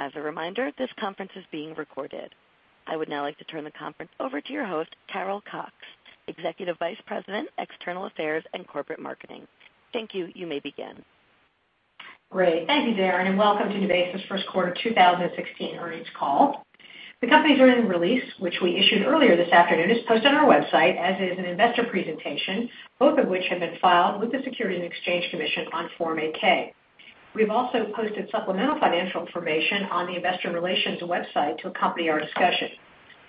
As a reminder, this conference is being recorded. I would now like to turn the conference over to your host, Carol Cox, Executive Vice President, External Affairs and Corporate Marketing. Thank you. You may begin. Great. Thank you, Darren, and welcome to NuVasive's first quarter 2016 earnings call. The company's earnings release, which we issued earlier this afternoon, is posted on our website, as is an investor presentation, both of which have been filed with the Securities and Exchange Commission on Form 8-K. We have also posted supplemental financial information on the Investor Relations website to accompany our discussion.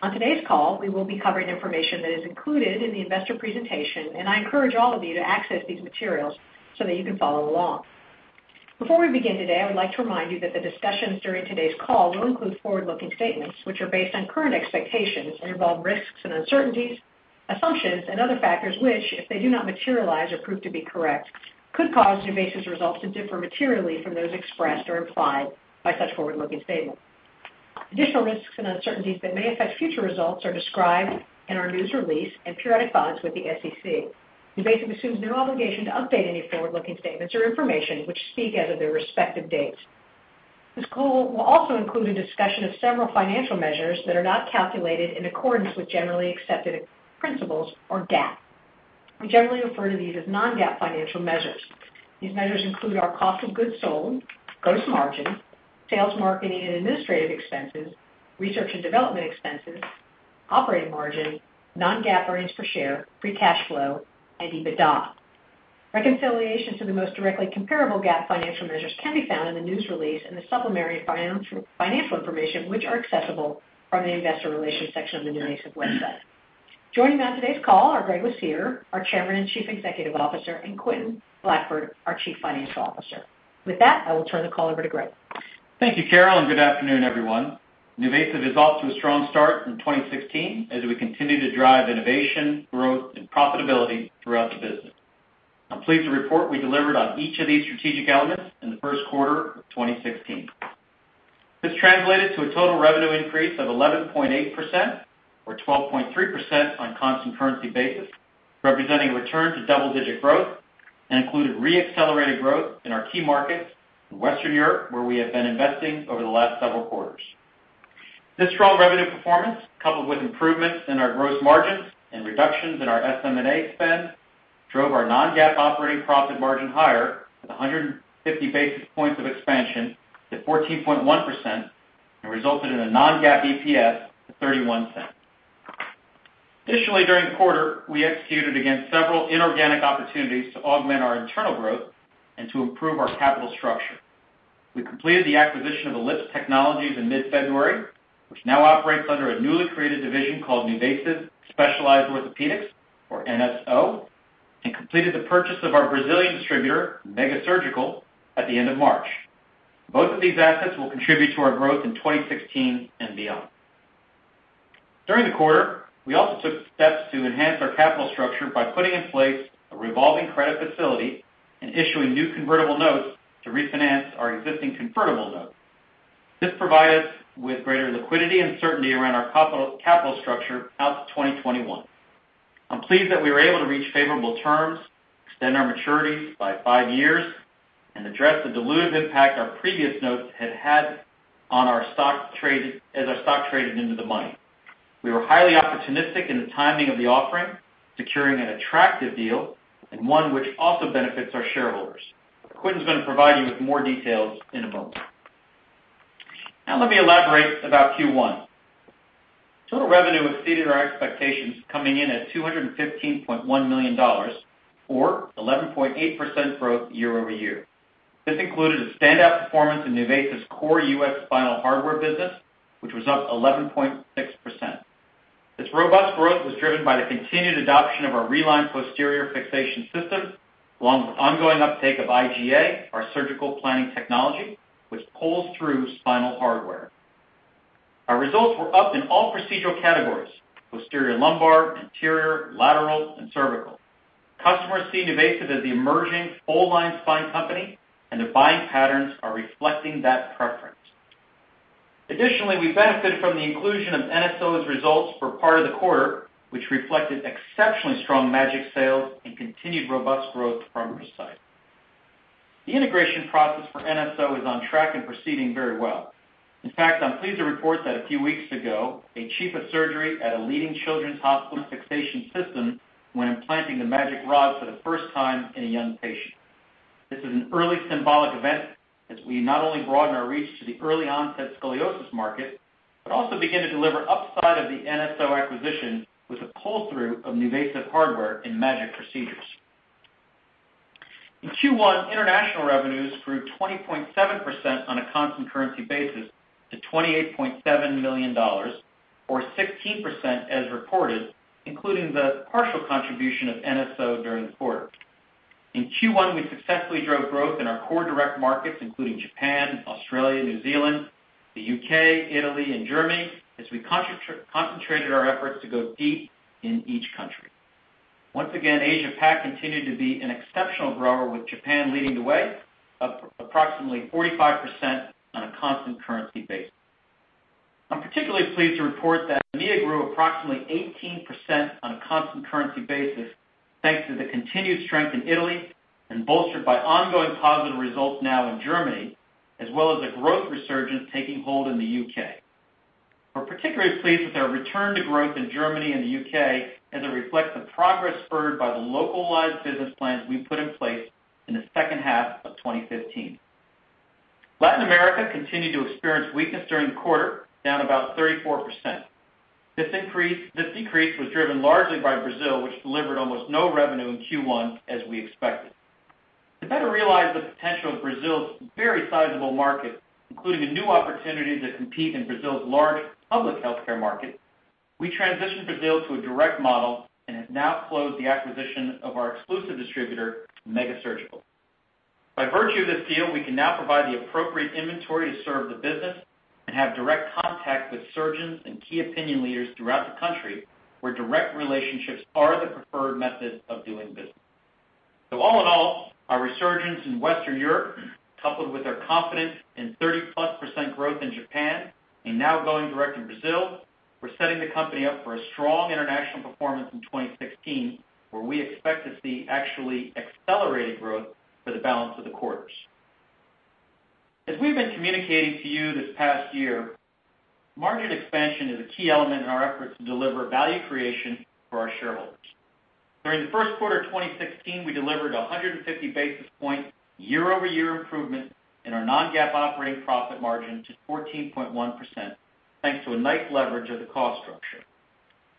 On today's call, we will be covering information that is included in the investor presentation, and I encourage all of you to access these materials so that you can follow along. Before we begin today, I would like to remind you that the discussions during today's call will include forward-looking statements which are based on current expectations and involve risks and uncertainties, assumptions, and other factors which, if they do not materialize or prove to be correct, could cause NuVasive's results to differ materially from those expressed or implied by such forward-looking statements. Additional risks and uncertainties that may affect future results are described in our news release and periodic filings with the SEC. NuVasive assumes no obligation to update any forward-looking statements or information which speak as of their respective dates. This call will also include a discussion of several financial measures that are not calculated in accordance with generally accepted accounting principles, or GAAP. We generally refer to these as non-GAAP financial measures. These measures include our cost of goods sold, gross margin, sales margin and administrative expenses, research and development expenses, operating margin, non-GAAP earnings per share, free cash flow, and EBITDA. Reconciliations of the most directly comparable GAAP financial measures can be found in the news release and the supplementary financial information which are accessible from the Investor Relations section of the NuVasive website. Joining me on today's call are Greg Lucier, our Chairman and Chief Executive Officer, and Quentin Blackford, our Chief Financial Officer. With that, I will turn the call over to Greg. Thank you, Carol, and good afternoon, everyone. NuVasive is off to a strong start in 2016 as we continue to drive innovation, growth, and profitability throughout the business. I'm pleased to report we delivered on each of these strategic elements in the first quarter of 2016. This translated to a total revenue increase of 11.8%, or 12.3% on a constant currency basis, representing a return to double-digit growth and included re-accelerated growth in our key markets in Western Europe, where we have been investing over the last several quarters. This strong revenue performance, coupled with improvements in our gross margins and reductions in our SM&A spend, drove our non-GAAP operating profit margin higher with 150 basis points of expansion to 14.1% and resulted in a non-GAAP EPS of 31 cents. Additionally, during the quarter, we executed against several inorganic opportunities to augment our internal growth and to improve our capital structure. We completed the acquisition of Ellipse Technologies in mid-February, which now operates under a newly created division called NuVasive Specialized Orthopedics, or NSO, and completed the purchase of our Brazilian distributor, Mega Surgical, at the end of March. Both of these assets will contribute to our growth in 2016 and beyond. During the quarter, we also took steps to enhance our capital structure by putting in place a revolving credit facility and issuing new convertible notes to refinance our existing convertible notes. This provided us with greater liquidity and certainty around our capital structure out to 2021. I'm pleased that we were able to reach favorable terms, extend our maturities by five years, and address the dilutive impact our previous notes had had as our stock traded into the money. We were highly opportunistic in the timing of the offering, securing an attractive deal and one which also benefits our shareholders. Quentin's going to provide you with more details in a moment. Now, let me elaborate about Q1. Total revenue exceeded our expectations, coming in at $215.1 million, or 11.8% growth year-over-year. This included a standout performance in NuVasive's Core U.S. Spinal hardware business, which was up 11.6%. This robust growth was driven by the continued adoption of our Reline posterior fixation system, along with ongoing uptake of IGA, our surgical planning technology, which pulls through spinal hardware. Our results were up in all procedural categories: posterior lumbar, anterior, lateral, and cervical. Customers see NuVasive as the emerging full-line spine company, and the buying patterns are reflecting that preference. Additionally, we benefited from the inclusion of NSO's results for part of the quarter, which reflected exceptionally strong MAGEC sales and continued robust growth from our side. The integration process for NSO is on track and proceeding very well. In fact, I'm pleased to report that a few weeks ago, a Chief of Surgery at a leading children's hospital fixation system went implanting the MAGEC rod for the first time in a young patient. This is an early symbolic event, as we not only broaden our reach to the early onset scoliosis market but also begin to deliver upside of the NSO acquisition with a pull-through of NuVasive hardware and MAGEC procedures. In Q1, international revenues grew 20.7% on a constant currency basis to $28.7 million, or 16% as reported, including the partial contribution of NSO during the quarter. In Q1, we successfully drove growth in our core direct markets, including Japan, Australia, New Zealand, the U.K., Italy, and Germany, as we concentrated our efforts to go deep in each country. Once again, Asia-Pac continued to be an exceptional grower, with Japan leading the way at approximately 45% on a constant currency basis. I'm particularly pleased to report that EMEA grew approximately 18% on a constant currency basis, thanks to the continued strength in Italy and bolstered by ongoing positive results now in Germany, as well as a growth resurgence taking hold in the U.K. We're particularly pleased with our return to growth in Germany and the U.K., as it reflects the progress spurred by the localized business plans we put in place in the second half of 2015. Latin America continued to experience weakness during the quarter, down about 34%. This decrease was driven largely by Brazil, which delivered almost no revenue in Q1, as we expected. To better realize the potential of Brazil's very sizable market, including a new opportunity to compete in Brazil's large public healthcare market, we transitioned Brazil to a direct model and have now closed the acquisition of our exclusive distributor, Mega Surgical. By virtue of this deal, we can now provide the appropriate inventory to serve the business and have direct contact with surgeons and key opinion leaders throughout the country, where direct relationships are the preferred method of doing business. All in all, our resurgence in Western Europe, coupled with our confidence in 30-plus % growth in Japan and now going direct in Brazil, we're setting the company up for a strong international performance in 2016, where we expect to see actually accelerated growth for the balance of the quarters. As we've been communicating to you this past year, margin expansion is a key element in our efforts to deliver value creation for our shareholders. During the first quarter of 2016, we delivered a 150 basis point year-over-year improvement in our non-GAAP operating profit margin to 14.1%, thanks to a nice leverage of the cost structure.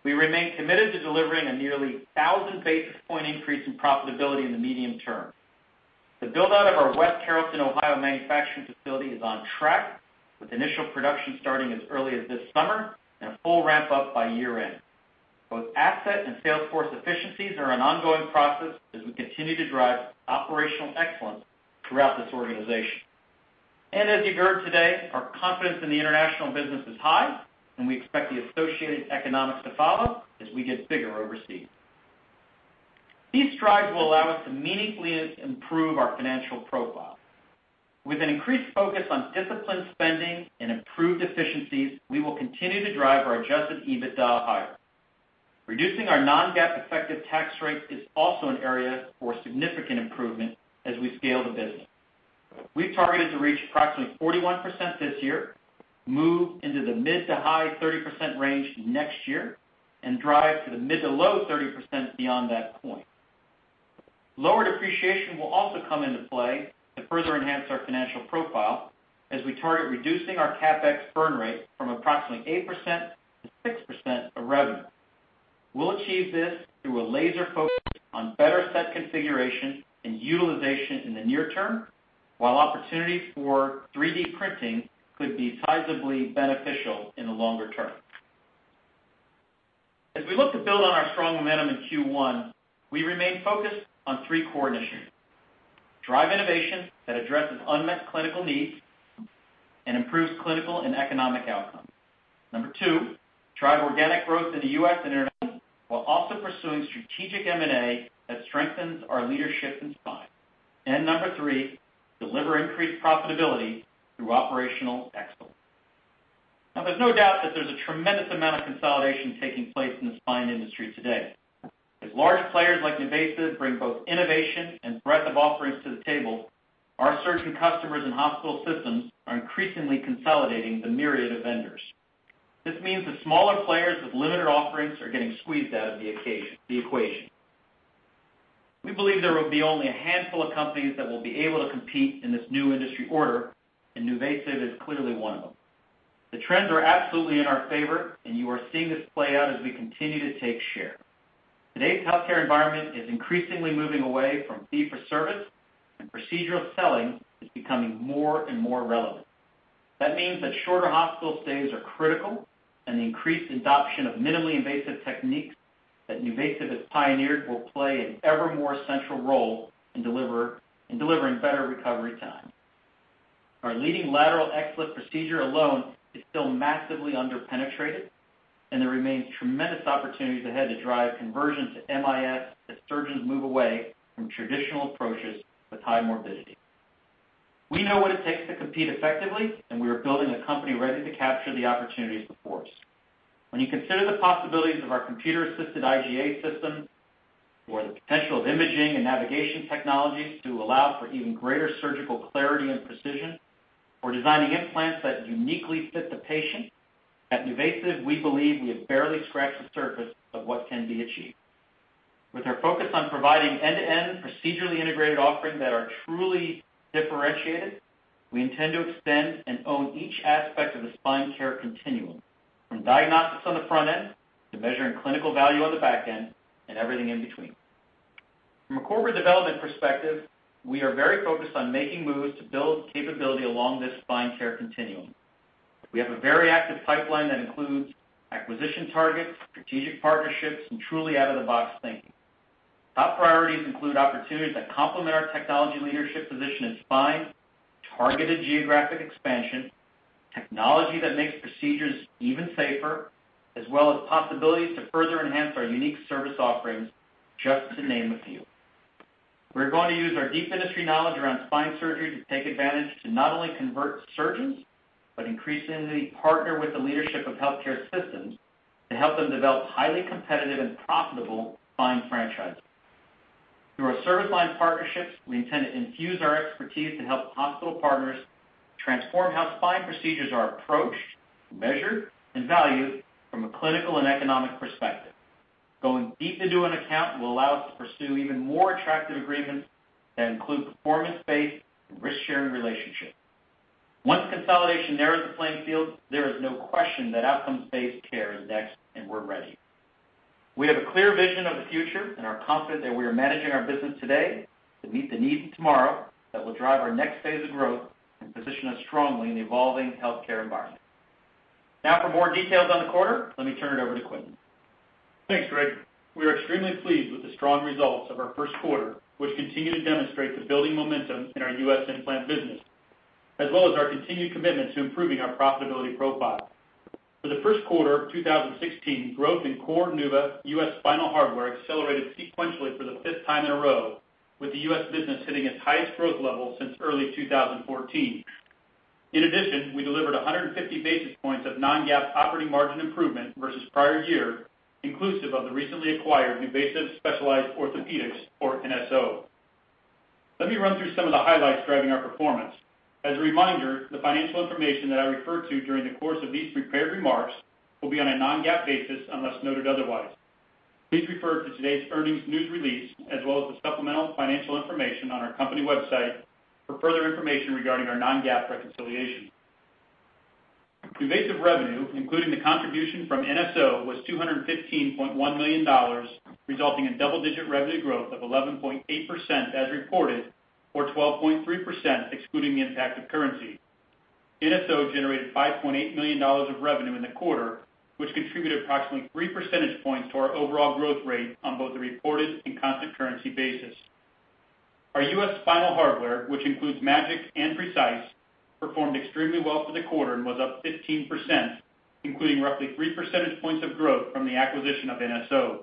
We remain committed to delivering a nearly 1,000 basis point increase in profitability in the medium term. The build-out of our West Carrollton, Ohio, manufacturing facility is on track, with initial production starting as early as this summer and a full ramp-up by year-end. Both asset and sales force efficiencies are an ongoing process as we continue to drive operational excellence throughout this organization. As you have heard today, our confidence in the international business is high, and we expect the associated economics to follow as we get bigger overseas. These strides will allow us to meaningfully improve our financial profile. With an increased focus on disciplined spending and improved efficiencies, we will continue to drive our adjusted EBITDA higher. Reducing our non-GAAP effective tax rate is also an area for significant improvement as we scale the business. We have targeted to reach approximately 41% this year, move into the mid to high 30% range next year, and drive to the mid to low 30% beyond that point. Lower depreciation will also come into play to further enhance our financial profile as we target reducing our CapEx burn rate from approximately 8% to 6% of revenue. We'll achieve this through a laser focus on better set configuration and utilization in the near term, while opportunities for 3D printing could be sizably beneficial in the longer term. As we look to build on our strong momentum in Q1, we remain focused on three core initiatives: drive innovation that addresses unmet clinical needs and improves clinical and economic outcomes. Number two, drive organic growth in the U.S. and the international market while also pursuing strategic M&A that strengthens our leadership in spine. Number three, deliver increased profitability through operational excellence. Now, there's no doubt that there's a tremendous amount of consolidation taking place in the spine industry today. As large players like NuVasive bring both innovation and breadth of offerings to the table, our surge in customers in hospital systems are increasingly consolidating the myriad of vendors. This means the smaller players with limited offerings are getting squeezed out of the equation. We believe there will be only a handful of companies that will be able to compete in this new industry order, and NuVasive is clearly one of them. The trends are absolutely in our favor, and you are seeing this play out as we continue to take share. Today's healthcare environment is increasingly moving away from fee-for-service, and procedural selling is becoming more and more relevant. That means that shorter hospital stays are critical, and the increased adoption of minimally invasive techniques that NuVasive has pioneered will play an ever more central role in delivering better recovery time. Our leading Lateral XLIF procedure alone is still massively underpenetrated, and there remain tremendous opportunities ahead to drive conversion to MIS as surgeons move away from traditional approaches with high morbidity. We know what it takes to compete effectively, and we are building a company ready to capture the opportunities before us. When you consider the possibilities of our computer-assisted IGA system or the potential of imaging and navigation technologies to allow for even greater surgical clarity and precision, or designing implants that uniquely fit the patient, at NuVasive, we believe we have barely scratched the surface of what can be achieved. With our focus on providing end-to-end procedurally integrated offerings that are truly differentiated, we intend to extend and own each aspect of the spine care continuum, from diagnostics on the front end to measuring clinical value on the back end and everything in between. From a corporate development perspective, we are very focused on making moves to build capability along this spine care continuum. We have a very active pipeline that includes acquisition targets, strategic partnerships, and truly out-of-the-box thinking. Top priorities include opportunities that complement our technology leadership position in spine, targeted geographic expansion, technology that makes procedures even safer, as well as possibilities to further enhance our unique service offerings, just to name a few. We're going to use our deep industry knowledge around spine surgery to take advantage to not only convert surgeons but increasingly partner with the leadership of healthcare systems to help them develop highly competitive and profitable spine franchises. Through our service line partnerships, we intend to infuse our expertise to help hospital partners transform how spine procedures are approached, measured, and valued from a clinical and economic perspective. Going deep into an account will allow us to pursue even more attractive agreements that include performance-based and risk-sharing relationships. Once consolidation narrows the playing field, there is no question that outcomes-based care is next, and we're ready. We have a clear vision of the future and are confident that we are managing our business today to meet the needs of tomorrow that will drive our next phase of growth and position us strongly in the evolving healthcare environment. Now, for more details on the quarter, let me turn it over to Quentin. Thanks, Greg. We are extremely pleased with the strong results of our first quarter, which continue to demonstrate the building momentum in our U.S. implant business, as well as our continued commitment to improving our profitability profile. For the first quarter of 2016, growth in core NuVasive U.S. Spinal hardware accelerated sequentially for the fifth time in a row, with the U.S. business hitting its highest growth level since early 2014. In addition, we delivered 150 basis points of non-GAAP operating margin improvement versus prior year, inclusive of the recently acquired NuVasive Specialized Orthopedics, or NSO. Let me run through some of the highlights driving our performance. As a reminder, the financial information that I refer to during the course of these prepared remarks will be on a non-GAAP basis unless noted otherwise. Please refer to today's earnings news release, as well as the supplemental financial information on our company website for further information regarding our non-GAAP reconciliation. NuVasive revenue, including the contribution from NSO, was $215.1 million, resulting in double-digit revenue growth of 11.8% as reported, or 12.3% excluding the impact of currency. NSO generated $5.8 million of revenue in the quarter, which contributed approximately 3 percentage points to our overall growth rate on both the reported and constant currency basis. Our U.S. spinal hardware, which includes MAGEC and PRECICE, performed extremely well for the quarter and was up 15%, including roughly 3 percentage points of growth from the acquisition of NSO.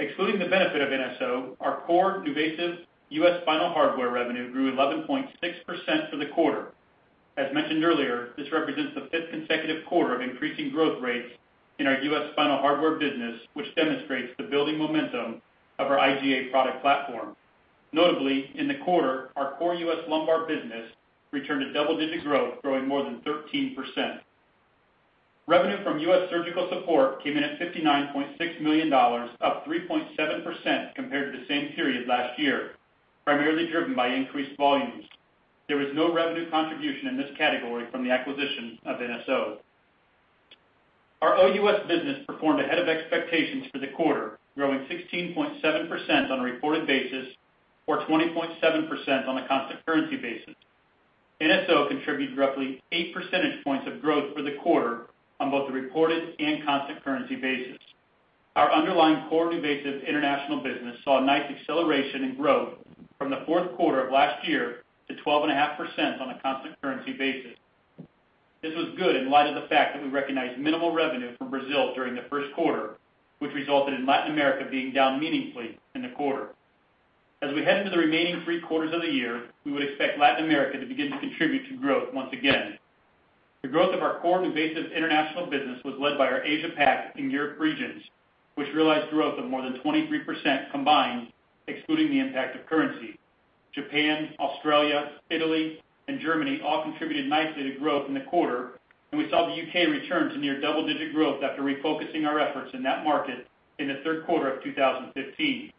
Excluding the benefit of NSO, our core NuVasive U.S. spinal hardware revenue grew 11.6% for the quarter. As mentioned earlier, this represents the fifth consecutive quarter of increasing growth rates in our U.S. spinal hardware business, which demonstrates the building momentum of our IGA product platform. Notably, in the quarter, our core U.S. lumbar business returned to double-digit growth, growing more than 13%. Revenue from U.S. surgical support came in at $59.6 million, up 3.7% compared to the same period last year, primarily driven by increased volumes. There was no revenue contribution in this category from the acquisition of NSO. Our OUS business performed ahead of expectations for the quarter, growing 16.7% on a reported basis or 20.7% on a constant currency basis. NSO contributed roughly 8 percentage points of growth for the quarter on both the reported and constant currency basis. Our underlying core NuVasive international business saw a nice acceleration in growth from the fourth quarter of last year to 12.5% on a constant currency basis. This was good in light of the fact that we recognized minimal revenue from Brazil during the first quarter, which resulted in Latin America being down meaningfully in the quarter. As we head into the remaining three quarters of the year, we would expect Latin America to begin to contribute to growth once again. The growth of our core NuVasive international business was led by our Asia PAC and Europe regions, which realized growth of more than 23% combined, excluding the impact of currency. Japan, Australia, Italy, and Germany all contributed nicely to growth in the quarter, and we saw the U.K. return to near double-digit growth after refocusing our efforts in that market in the third quarter of 2015.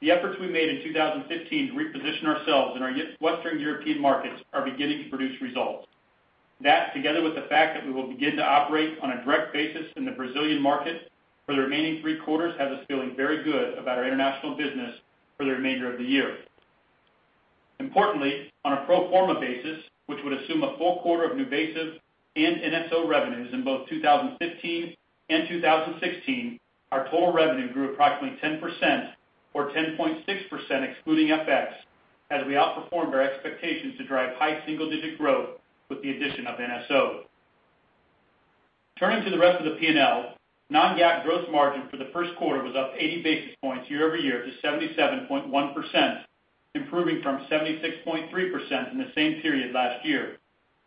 The efforts we made in 2015 to reposition ourselves in our Western European markets are beginning to produce results. That, together with the fact that we will begin to operate on a direct basis in the Brazilian market for the remaining three quarters, has us feeling very good about our international business for the remainder of the year. Importantly, on a pro forma basis, which would assume a full quarter of NuVasive and NSO revenues in both 2015 and 2016, our total revenue grew approximately 10%, or 10.6% excluding FX, as we outperformed our expectations to drive high single-digit growth with the addition of NSO. Turning to the rest of the P&L, non-GAAP gross margin for the first quarter was up 80 basis points year-over-year to 77.1%, improving from 76.3% in the same period last year,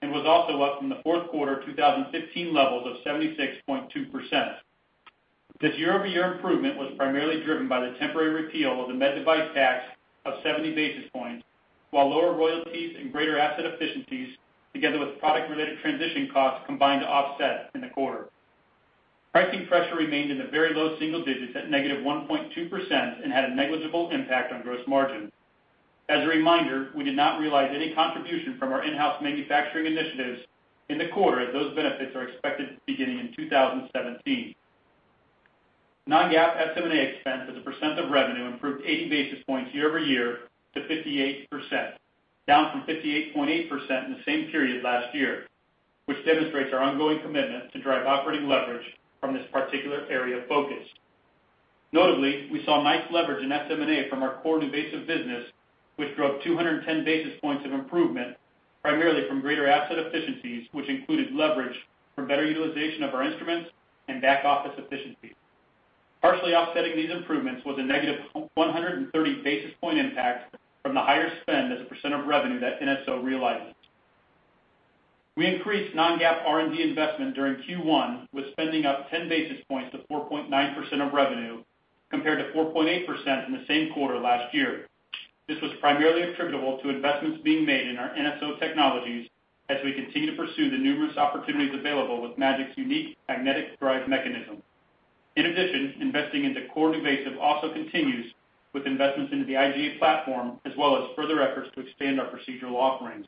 and was also up from the fourth quarter of 2015 levels of 76.2%. This year-over-year improvement was primarily driven by the temporary repeal of the med device tax of 70 basis points, while lower royalties and greater asset efficiencies, together with product-related transition costs, combined to offset in the quarter. Pricing pressure remained in the very low single digits at -1.2% and had a negligible impact on gross margin. As a reminder, we did not realize any contribution from our in-house manufacturing initiatives in the quarter as those benefits are expected beginning in 2017. Non-GAAP SM&A expense as a percent of revenue improved 80 basis points year-over-year to 58%, down from 58.8% in the same period last year, which demonstrates our ongoing commitment to drive operating leverage from this particular area of focus. Notably, we saw nice leverage in SM&A from our core NuVasive business, which drove 210 basis points of improvement, primarily from greater asset efficiencies, which included leverage for better utilization of our instruments and back-office efficiencies. Partially offsetting these improvements was a -130 basis point impact from the higher spend as a percent of revenue that NSO realized. We increased non-GAAP R&D investment during Q1, with spending up 10 basis points to 4.9% of revenue, compared to 4.8% in the same quarter last year. This was primarily attributable to investments being made in our NSO technologies as we continue to pursue the numerous opportunities available with MAGEC's unique magnetic drive mechanism. In addition, investing into core NuVasive also continues with investments into the IGA platform, as well as further efforts to expand our procedural offerings.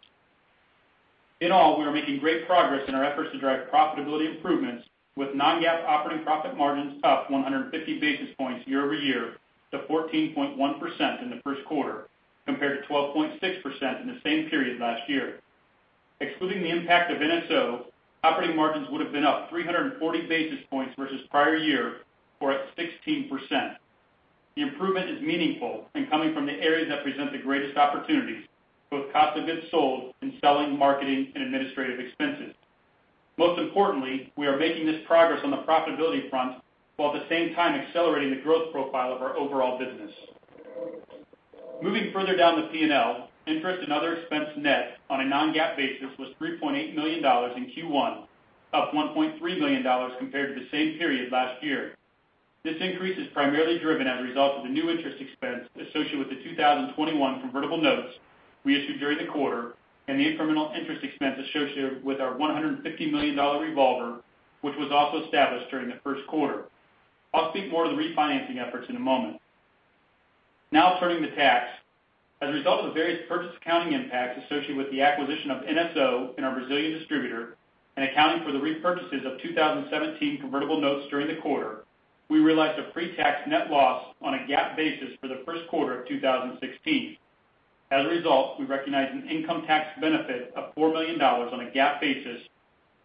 In all, we are making great progress in our efforts to drive profitability improvements, with non-GAAP operating profit margins up 150 basis points year-over-year to 14.1% in the first quarter, compared to 12.6% in the same period last year. Excluding the impact of NSO, operating margins would have been up 340 basis points versus prior year, or at 16%. The improvement is meaningful and coming from the areas that present the greatest opportunities, both cost of goods sold and selling, marketing, and administrative expenses. Most importantly, we are making this progress on the profitability front while at the same time accelerating the growth profile of our overall business. Moving further down the P&L, interest and other expense net on a non-GAAP basis was $3.8 million in Q1, up $1.3 million compared to the same period last year. This increase is primarily driven as a result of the new interest expense associated with the 2021 convertible notes we issued during the quarter and the incremental interest expense associated with our $150 million revolver, which was also established during the first quarter. I'll speak more to the refinancing efforts in a moment. Now, turning to tax, as a result of the various purchase accounting impacts associated with the acquisition of NSO and our Brazilian distributor and accounting for the repurchases of 2017 convertible notes during the quarter, we realized a pre-tax net loss on a GAAP basis for the first quarter of 2016. As a result, we recognized an income tax benefit of $4 million on a GAAP basis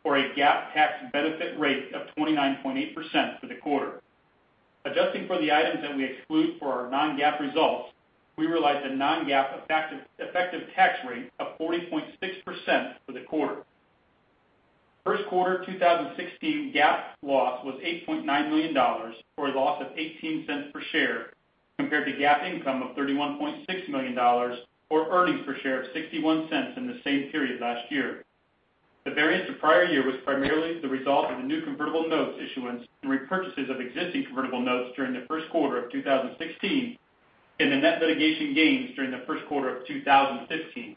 for a GAAP tax benefit rate of 29.8% for the quarter. Adjusting for the items that we exclude for our non-GAAP results, we realized a non-GAAP effective tax rate of 40.6% for the quarter. First quarter 2016 GAAP loss was $8.9 million, or a loss of $0.18 per share, compared to GAAP income of $31.6 million, or earnings per share of $0.61 in the same period last year. The variance of prior year was primarily the result of the new convertible notes issuance and repurchases of existing convertible notes during the first quarter of 2016 and the net litigation gains during the first quarter of 2015.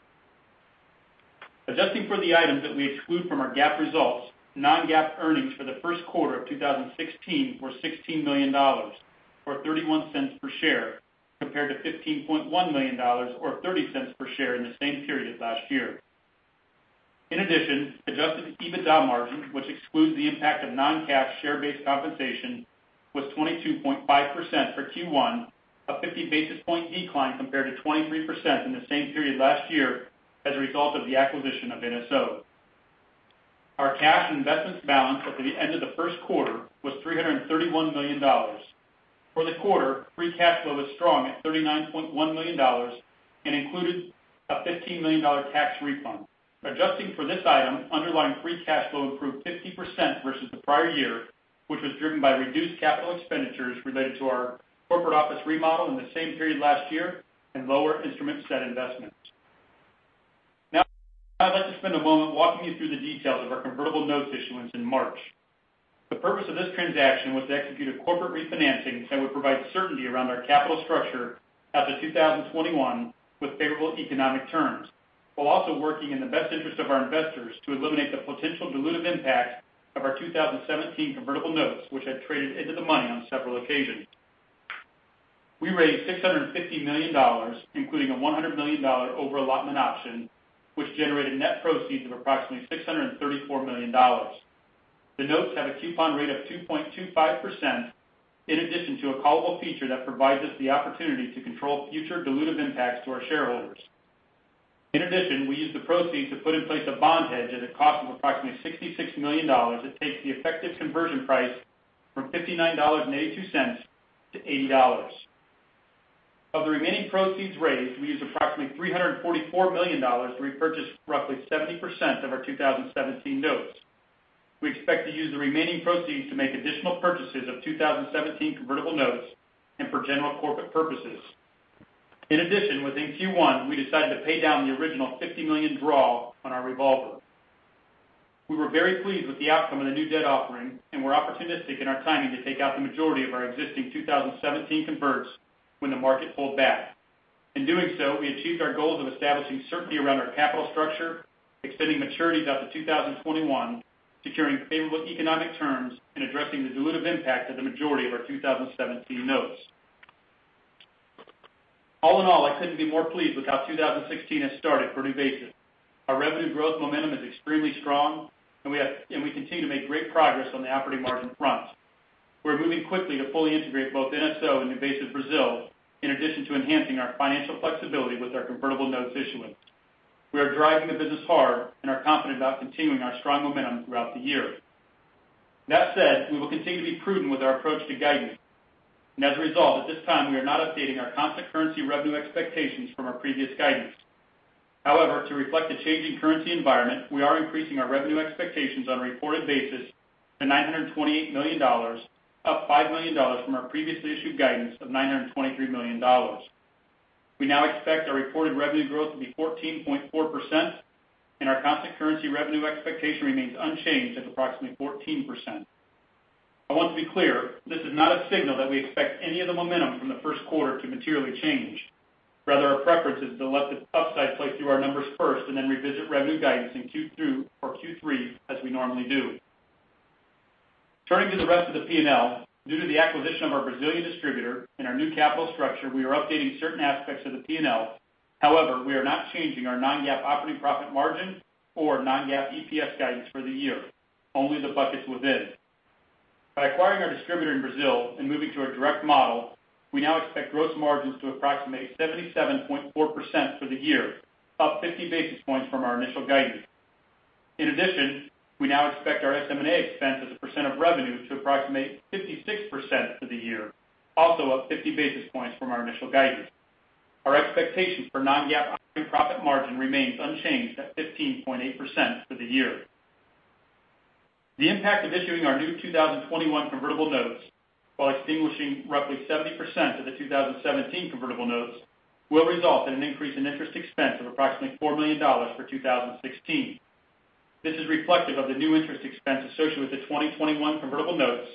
Adjusting for the items that we exclude from our GAAP results, non-GAAP earnings for the first quarter of 2016 were $16 million, or $0.31 per share, compared to $15.1 million, or $0.30 per share in the same period last year. In addition, adjusted EBITDA margin, which excludes the impact of non-cash share-based compensation, was 22.5% for Q1, a 50 basis point decline compared to 23% in the same period last year as a result of the acquisition of NSO. Our cash and investments balance at the end of the first quarter was $331 million. For the quarter, free cash flow was strong at $39.1 million and included a $15 million tax refund. Adjusting for this item, underlying free cash flow improved 50% versus the prior year, which was driven by reduced capital expenditures related to our corporate office remodel in the same period last year and lower instrument set investments. Now, I'd like to spend a moment walking you through the details of our convertible notes issuance in March. The purpose of this transaction was to execute a corporate refinancing that would provide certainty around our capital structure after 2021 with favorable economic terms, while also working in the best interest of our investors to eliminate the potential dilutive impact of our 2017 convertible notes, which had traded into the money on several occasions. We raised $650 million, including a $100 million overallotment option, which generated net proceeds of approximately $634 million. The notes have a coupon rate of 2.25%, in addition to a callable feature that provides us the opportunity to control future dilutive impacts to our shareholders. In addition, we used the proceeds to put in place a bond hedge at a cost of approximately $66 million. It takes the effective conversion price from $59.82 to $80. Of the remaining proceeds raised, we used approximately $344 million to repurchase roughly 70% of our 2017 notes. We expect to use the remaining proceeds to make additional purchases of 2017 convertible notes and for general corporate purposes. In addition, within Q1, we decided to pay down the original $50 million draw on our revolver. We were very pleased with the outcome of the new debt offering and were opportunistic in our timing to take out the majority of our existing 2017 converts when the market pulled back. In doing so, we achieved our goals of establishing certainty around our capital structure, extending maturities out to 2021, securing favorable economic terms, and addressing the dilutive impact of the majority of our 2017 notes. All in all, I couldn't be more pleased with how 2016 has started for NuVasive. Our revenue growth momentum is extremely strong, and we continue to make great progress on the operating margin front. We are moving quickly to fully integrate both NSO and NuVasive Brazil, in addition to enhancing our financial flexibility with our convertible notes issuance. We are driving the business hard and are confident about continuing our strong momentum throughout the year. That said, we will continue to be prudent with our approach to guidance. As a result, at this time, we are not updating our constant currency revenue expectations from our previous guidance. However, to reflect the changing currency environment, we are increasing our revenue expectations on a reported basis to $928 million, up $5 million from our previously issued guidance of $923 million. We now expect our reported revenue growth to be 14.4%, and our constant currency revenue expectation remains unchanged at approximately 14%. I want to be clear, this is not a signal that we expect any of the momentum from the first quarter to materially change. Rather, our preference is to let the upside play through our numbers first and then revisit revenue guidance in Q2 or Q3, as we normally do. Turning to the rest of the P&L, due to the acquisition of our Brazilian distributor and our new capital structure, we are updating certain aspects of the P&L. However, we are not changing our non-GAAP operating profit margin or non-GAAP EPS guidance for the year, only the buckets within. By acquiring our distributor in Brazil and moving to a direct model, we now expect gross margins to approximate 77.4% for the year, up 50 basis points from our initial guidance. In addition, we now expect our SM&A expense as a percent of revenue to approximate 56% for the year, also up 50 basis points from our initial guidance. Our expectation for non-GAAP operating profit margin remains unchanged at 15.8% for the year. The impact of issuing our new 2021 convertible notes, while extinguishing roughly 70% of the 2017 convertible notes, will result in an increase in interest expense of approximately $4 million for 2016. This is reflective of the new interest expense associated with the 2021 convertible notes,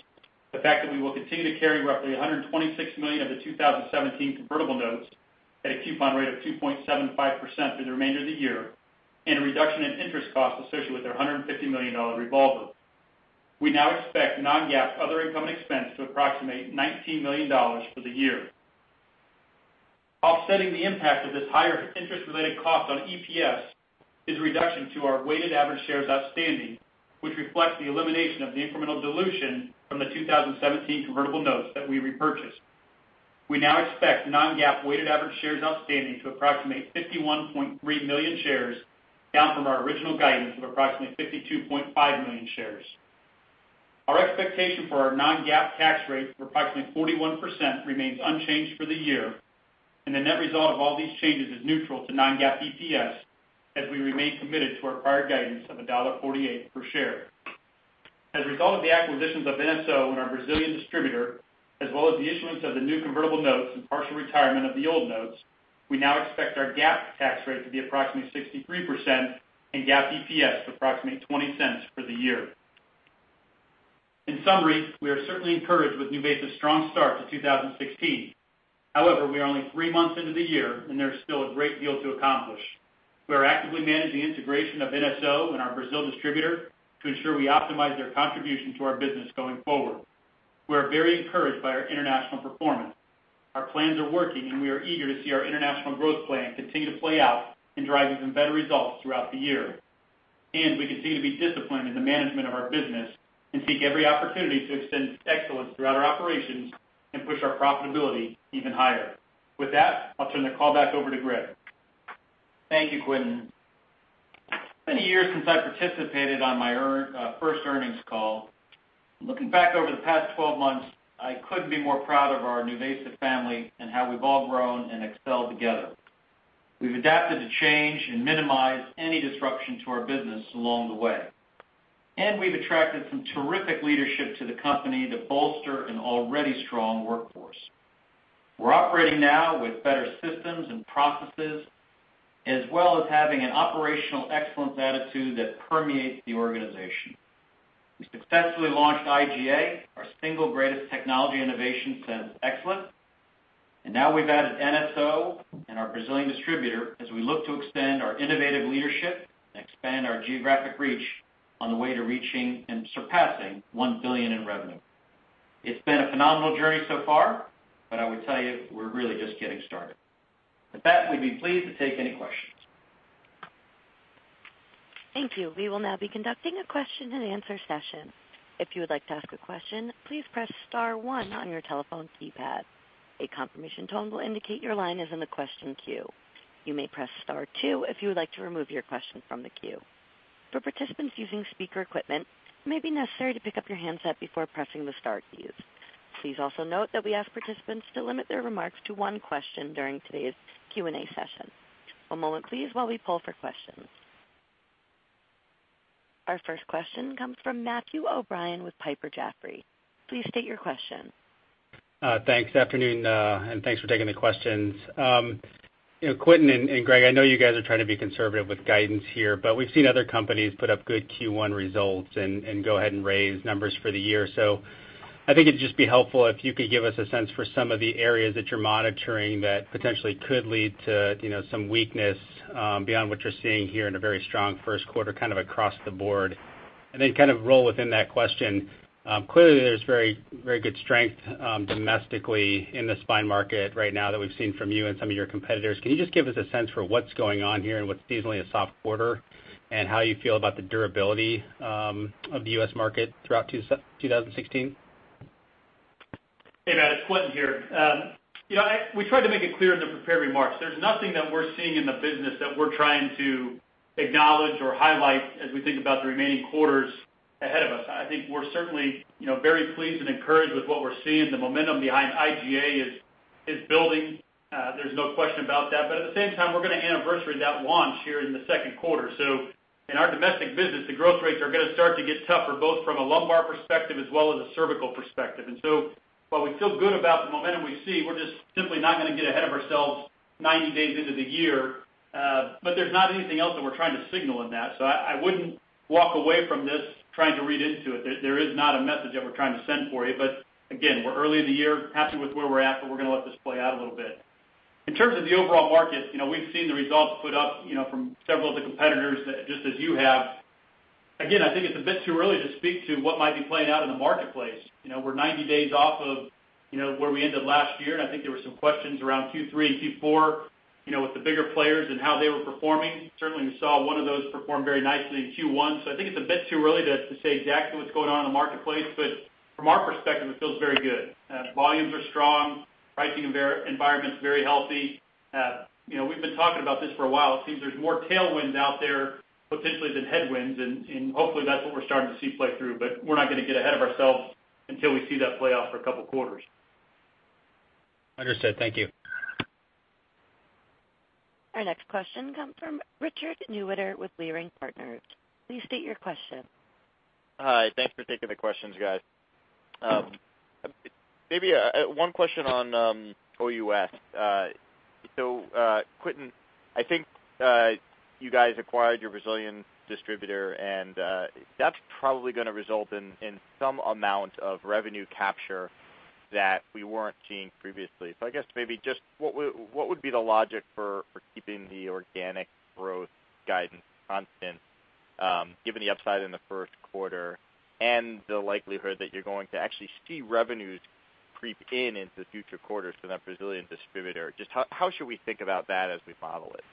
the fact that we will continue to carry roughly $126 million of the 2017 convertible notes at a coupon rate of 2.75% for the remainder of the year, and a reduction in interest costs associated with our $150 million revolver. We now expect non-GAAP other income and expense to approximate $19 million for the year. Offsetting the impact of this higher interest-related cost on EPS is reduction to our weighted average shares outstanding, which reflects the elimination of the incremental dilution from the 2017 convertible notes that we repurchased. We now expect non-GAAP weighted average shares outstanding to approximate 51.3 million shares, down from our original guidance of approximately 52.5 million shares. Our expectation for our non-GAAP tax rate of approximately 41% remains unchanged for the year, and the net result of all these changes is neutral to non-GAAP EPS, as we remain committed to our prior guidance of $1.48 per share. As a result of the acquisitions of NSO and our Brazilian distributor, as well as the issuance of the new convertible notes and partial retirement of the old notes, we now expect our GAAP tax rate to be approximately 63% and GAAP EPS to approximately $0.20 for the year. In summary, we are certainly encouraged with NuVasive's strong start to 2016. However, we are only three months into the year, and there is still a great deal to accomplish. We are actively managing integration of NSO and our Brazil distributor to ensure we optimize their contribution to our business going forward. We are very encouraged by our international performance. Our plans are working, and we are eager to see our international growth plan continue to play out and drive even better results throughout the year. We continue to be disciplined in the management of our business and seek every opportunity to extend excellence throughout our operations and push our profitability even higher. With that, I'll turn the call back over to Greg. Thank you, Quinn. It's been years since I participated on my first earnings call. Looking back over the past 12 months, I couldn't be more proud of our NuVasive family and how we've all grown and excelled together. We've adapted to change and minimized any disruption to our business along the way. We've attracted some terrific leadership to the company to bolster an already strong workforce. We're operating now with better systems and processes, as well as having an operational excellence attitude that permeates the organization. We successfully launched IGA, our single greatest technology innovation since XLIF. And now we've added NSO and our Brazilian distributor as we look to extend our innovative leadership and expand our geographic reach on the way to reaching and surpassing $1 billion in revenue. It's been a phenomenal journey so far, but I would tell you we're really just getting started. With that, we'd be pleased to take any questions. Thank you. We will now be conducting a question-and-answer session. If you would like to ask a question, please press star one on your telephone keypad. A confirmation tone will indicate your line is in the question queue. You may press star two if you would like to remove your question from the queue. For participants using speaker equipment, it may be necessary to pick up your handset before pressing the star keys. Please also note that we ask participants to limit their remarks to one question during today's Q&A session. One moment, please, while we pull for questions. Our first question comes from Matthew O'Brien with Piper Jaffray. Please state your question. Thanks. Good afternoon, and thanks for taking the questions. Quinn and Greg, I know you guys are trying to be conservative with guidance here, but we've seen other companies put up good Q1 results and go ahead and raise numbers for the year. I think it'd just be helpful if you could give us a sense for some of the areas that you're monitoring that potentially could lead to some weakness beyond what you're seeing here in a very strong first quarter, kind of across the board. Then kind of roll within that question. Clearly, there's very good strength domestically in the spine market right now that we've seen from you and some of your competitors. Can you just give us a sense for what's going on here and what's seasonally a soft quarter and how you feel about the durability of the U.S. market throughout 2016? Hey, Matt. It's Quinn here. We tried to make it clear in the prepared remarks. There's nothing that we're seeing in the business that we're trying to acknowledge or highlight as we think about the remaining quarters ahead of us. I think we're certainly very pleased and encouraged with what we're seeing. The momentum behind IGA is building. There's no question about that. At the same time, we're going to anniversary that launch here in the second quarter. In our domestic business, the growth rates are going to start to get tougher, both from a lumbar perspective as well as a cervical perspective. While we feel good about the momentum we see, we're just simply not going to get ahead of ourselves 90 days into the year. There is not anything else that we're trying to signal in that. I wouldn't walk away from this trying to read into it. There is not a message that we're trying to send for you. Again, we're early in the year, happy with where we're at, but we're going to let this play out a little bit. In terms of the overall market, we've seen the results put up from several of the competitors, just as you have. Again, I think it's a bit too early to speak to what might be playing out in the marketplace. We're 90 days off of where we ended last year, and I think there were some questions around Q3 and Q4 with the bigger players and how they were performing. Certainly, we saw one of those perform very nicely in Q1. I think it's a bit too early to say exactly what's going on in the marketplace, but from our perspective, it feels very good. Volumes are strong. Pricing environment's very healthy. We've been talking about this for a while. It seems there's more tailwinds out there potentially than headwinds, and hopefully, that's what we're starting to see play through. We're not going to get ahead of ourselves until we see that play out for a couple of quarters. Understood. Thank you. Our next question comes from Richard Newitter with Leerink Partners. Please state your question. Hi. Thanks for taking the questions, guys. Maybe one question on OUS. Quinn, I think you guys acquired your Brazilian distributor, and that's probably going to result in some amount of revenue capture that we were not seeing previously. I guess maybe just what would be the logic for keeping the organic growth guidance constant, given the upside in the first quarter and the likelihood that you are going to actually see revenues creep in into the future quarters for that Brazilian distributor? Just how should we think about that as we model it?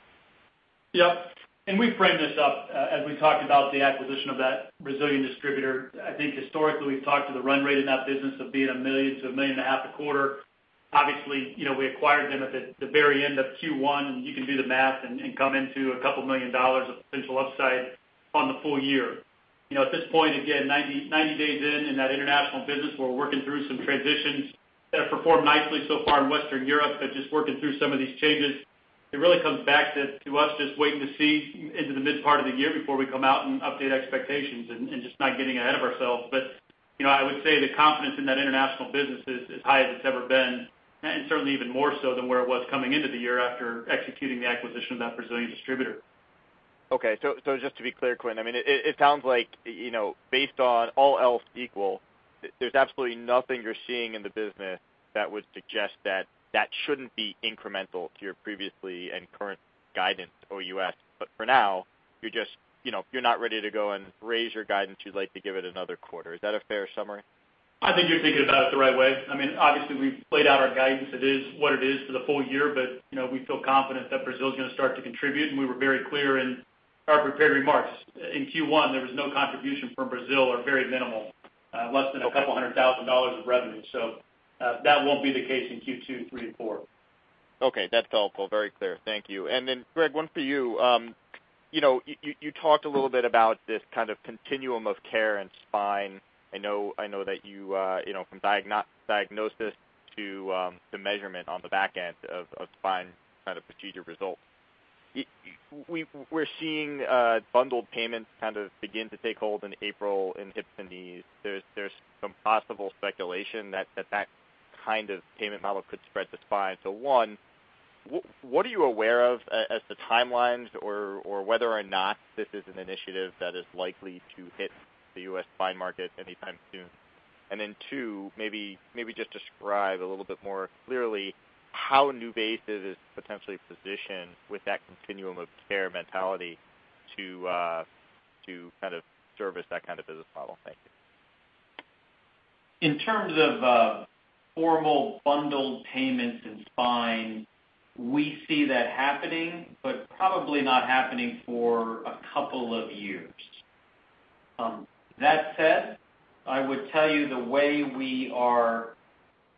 Yep. We framed this up as we talked about the acquisition of that Brazilian distributor. I think historically, we have talked to the run rate in that business of being $1 million-$1.5 million a quarter. Obviously, we acquired them at the very end of Q1, and you can do the math and come into a couple of million dollars of potential upside on the full year. At this point, again, 90 days in in that international business, we're working through some transitions that have performed nicely so far in Western Europe, but just working through some of these changes. It really comes back to us just waiting to see into the mid-part of the year before we come out and update expectations and just not getting ahead of ourselves. I would say the confidence in that international business is as high as it's ever been, and certainly even more so than where it was coming into the year after executing the acquisition of that Brazilian distributor. Okay. Just to be clear, Quinn, I mean, it sounds like based on all else equal, there is absolutely nothing you are seeing in the business that would suggest that that should not be incremental to your previously and current guidance, OUS. For now, you are not ready to go and raise your guidance. You would like to give it another quarter. Is that a fair summary? I think you are thinking about it the right way. I mean, obviously, we have played out our guidance. It is what it is for the full year, but we feel confident that Brazil is going to start to contribute. We were very clear in our prepared remarks. In Q1, there was no contribution from Brazil or very minimal, less than a couple of hundred thousand dollars of revenue. That will not be the case in Q2, Q3, and Q4. Okay. That is helpful. Very clear. Thank you. Greg, one for you. You talked a little bit about this kind of continuum of care in spine. I know that you from diagnosis to measurement on the back end of spine kind of procedure results. We're seeing bundled payments kind of begin to take hold in April in hips and knees. There's some possible speculation that that kind of payment model could spread to spine. One, what are you aware of as to timelines or whether or not this is an initiative that is likely to hit the U.S. spine market anytime soon? Two, maybe just describe a little bit more clearly how NuVasive is potentially positioned with that continuum of care mentality to kind of service that kind of business model. Thank you. In terms of formal bundled payments in spine, we see that happening, but probably not happening for a couple of years. That said, I would tell you the way we are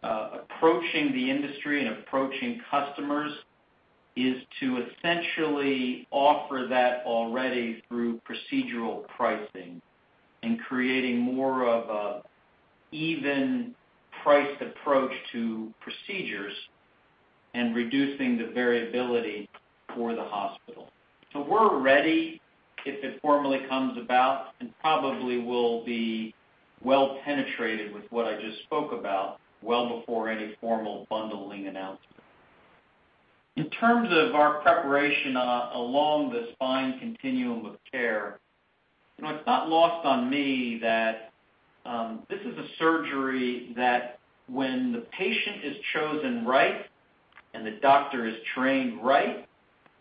approaching the industry and approaching customers is to essentially offer that already through procedural pricing and creating more of an even-priced approach to procedures and reducing the variability for the hospital. We are ready if it formally comes about and probably will be well-penetrated with what I just spoke about well before any formal bundling announcement. In terms of our preparation along the spine continuum of care, it is not lost on me that this is a surgery that when the patient is chosen right and the doctor is trained right,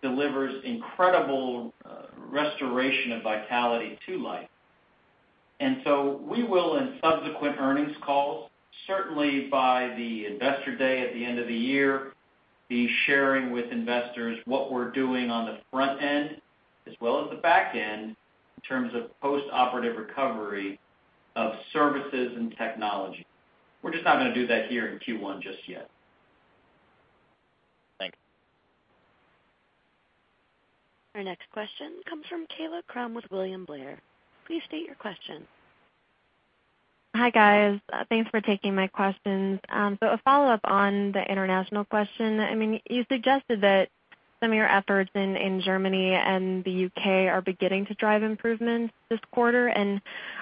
delivers incredible restoration of vitality to life. We will, in subsequent earnings calls, certainly by the investor day at the end of the year, be sharing with investors what we're doing on the front end as well as the back end in terms of post-operative recovery of services and technology. We're just not going to do that here in Q1 just yet. Thanks. Our next question comes from Kayla Crum with William Blair. Please state your question. Hi, guys. Thanks for taking my questions. A follow-up on the international question. I mean, you suggested that some of your efforts in Germany and the U.K. are beginning to drive improvements this quarter.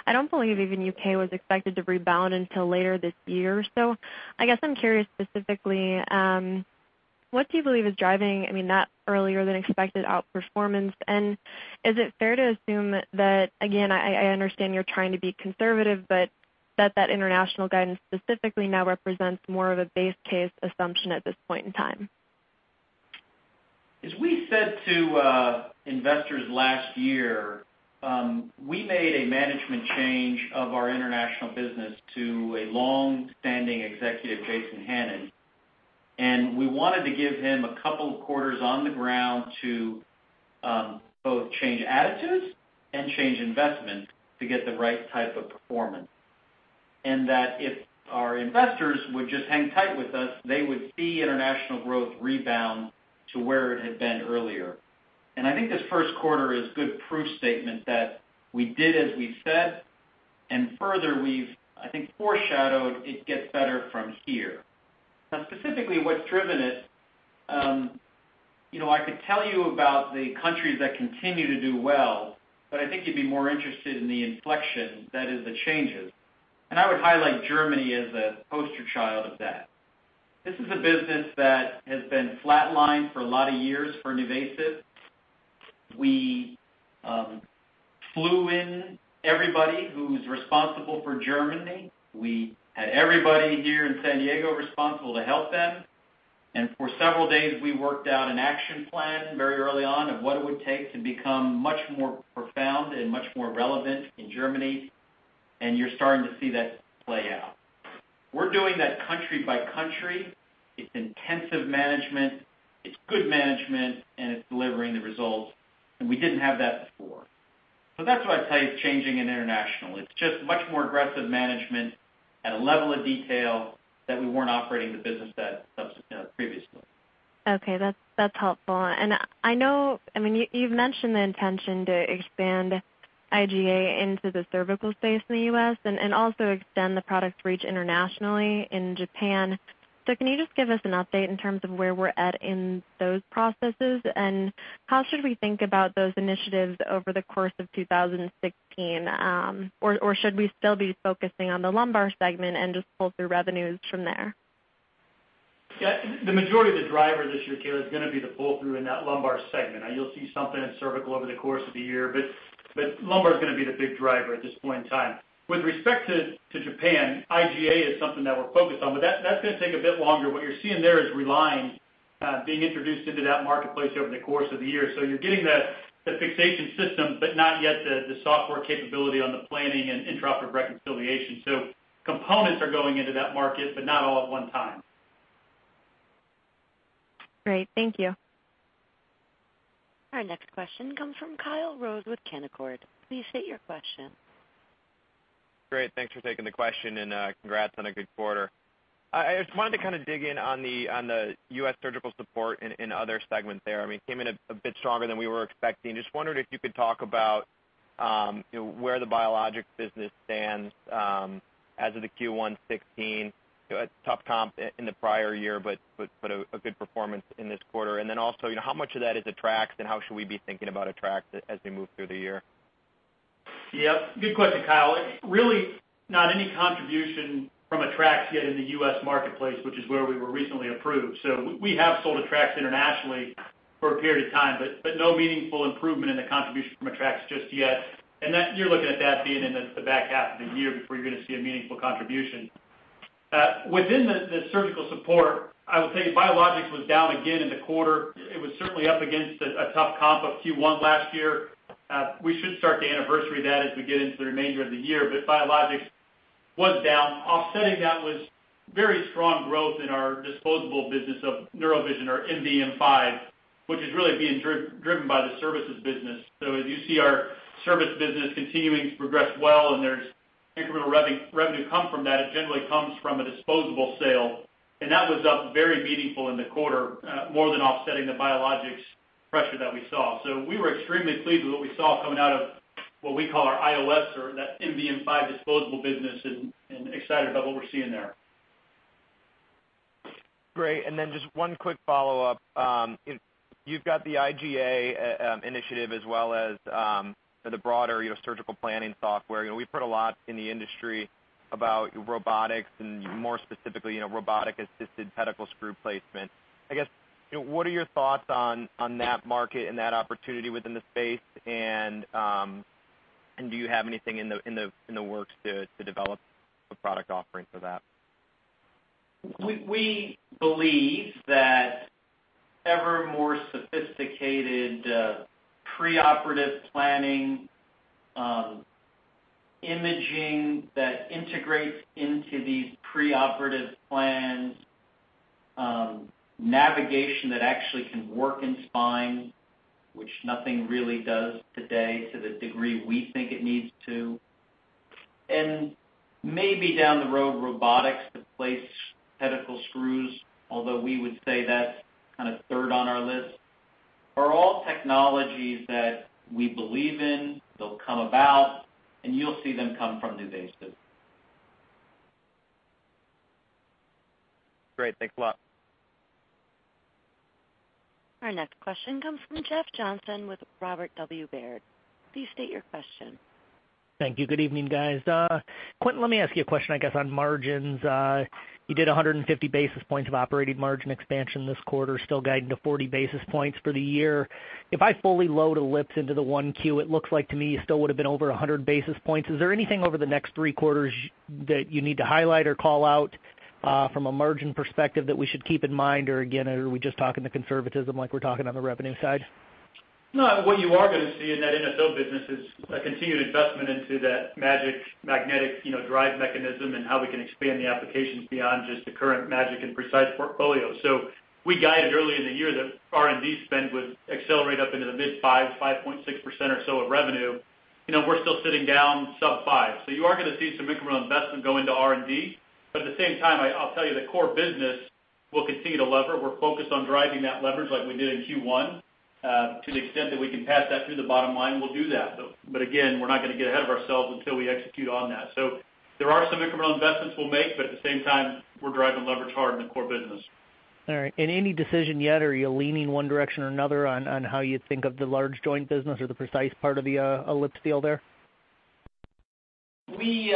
I don't believe even the U.K. was expected to rebound until later this year. I guess I'm curious specifically, what do you believe is driving, I mean, that earlier-than-expected outperformance? Is it fair to assume that, again, I understand you're trying to be conservative, but that that international guidance specifically now represents more of a base case assumption at this point in time? As we said to investors last year, we made a management change of our international business to a longstanding executive, Jason Hannon. We wanted to give him a couple of quarters on the ground to both change attitudes and change investment to get the right type of performance. If our investors would just hang tight with us, they would see international growth rebound to where it had been earlier. I think this first quarter is a good proof statement that we did as we said, and further, we've, I think, foreshadowed it gets better from here. Now, specifically, what's driven it? I could tell you about the countries that continue to do well, but I think you'd be more interested in the inflection, that is, the changes. I would highlight Germany as a poster child of that. This is a business that has been flatlined for a lot of years for NuVasive. We flew in everybody who's responsible for Germany. We had everybody here in San Diego responsible to help them. For several days, we worked out an action plan very early on of what it would take to become much more profound and much more relevant in Germany. You're starting to see that play out. We're doing that country by country. It's intensive management. It's good management, and it's delivering the results. We didn't have that before. That's what I'd say is changing in international. It's just much more aggressive management at a level of detail that we weren't operating the business at previously. Okay. That's helpful. I mean, you've mentioned the intention to expand IGA into the cervical space in the U.S. and also extend the product reach internationally in Japan. Can you just give us an update in terms of where we're at in those processes? How should we think about those initiatives over the course of 2016? Should we still be focusing on the lumbar segment and just pull through revenues from there? Yeah. The majority of the driver this year, Kayla, is going to be the pull-through in that lumbar segment. You'll see something in cervical over the course of the year. Lumbar is going to be the big driver at this point in time. With respect to Japan, IGA is something that we're focused on, but that's going to take a bit longer. What you're seeing there is Reline being introduced into that marketplace over the course of the year. So you're getting the fixation system, but not yet the software capability on the planning and intraoperative reconciliation. So components are going into that market, but not all at one time. Great. Thank you. Our next question comes from Kyle Rose with Canaccord. Please state your question. Great. Thanks for taking the question, and congrats on a good quarter. I just wanted to kind of dig in on the U.S. surgical support and other segments there. I mean, it came in a bit stronger than we were expecting. Just wondered if you could talk about where the biologic business stands as of the Q1 2016, top comp in the prior year, but a good performance in this quarter. Also, how much of that is AttraX, and how should we be thinking about AttraX as we move through the year? Yep. Good question, Kyle. Really, not any contribution from AttraX yet in the U.S. marketplace, which is where we were recently approved. We have sold AttraX internationally for a period of time, but no meaningful improvement in the contribution from AttraX just yet. You are looking at that being in the back half of the year before you are going to see a meaningful contribution. Within the surgical support, I would say biologics was down again in the quarter. It was certainly up against a tough comp of Q1 last year. We should start the anniversary of that as we get into the remainder of the year. Biologics was down. Offsetting that was very strong growth in our disposable business of Neurovision or NVM5, which is really being driven by the services business. As you see our service business continuing to progress well, and there is incremental revenue coming from that, it generally comes from a disposable sale. That was up very meaningfully in the quarter, more than offsetting the biologics pressure that we saw. We were extremely pleased with what we saw coming out of what we call our IOS or that NVM5 disposable business and excited about what we are seeing there. Great. And then just one quick follow-up. You have got the IGA initiative as well as the broader surgical planning software. We've heard a lot in the industry about robotics and more specifically robotic-assisted pedicle screw placement. I guess, what are your thoughts on that market and that opportunity within the space? And do you have anything in the works to develop a product offering for that? We believe that ever more sophisticated preoperative planning, imaging that integrates into these preoperative plans, navigation that actually can work in spine, which nothing really does today to the degree we think it needs to, and maybe down the road, robotics to place pedicle screws, although we would say that's kind of third on our list, are all technologies that we believe in. They'll come about, and you'll see them come from NuVasive. Great. Thanks a lot. Our next question comes from Jeff Johnson with Robert W. Baird. Please state your question. Thank you. Good evening, guys. Quentin, let me ask you a question, I guess, on margins. You did 150 basis points of operating margin expansion this quarter, still guiding to 40 basis points for the year. If I fully load Ellipse into the one Q, it looks like to me you still would have been over 100 basis points. Is there anything over the next three quarters that you need to highlight or call out from a margin perspective that we should keep in mind? Or again, are we just talking the conservatism like we're talking on the revenue side? No. What you are going to see in that NSO business is a continued investment into that MAGEC magnetic drive mechanism and how we can expand the applications beyond just the current MAGEC and PRECICE portfolio. We guided early in the year that R&D spend would accelerate up into the mid-5, 5.6% or so of revenue. We're still sitting down sub-5. You are going to see some incremental investment go into R&D. At the same time, I'll tell you the core business will continue to lever. We're focused on driving that leverage like we did in Q1. To the extent that we can pass that through the bottom line, we'll do that. Again, we're not going to get ahead of ourselves until we execute on that. There are some incremental investments we'll make, but at the same time, we're driving leverage hard in the core business. All right. Any decision yet, or are you leaning one direction or another on how you think of the large joint business or the PRECICE part of the Ellipse field there? We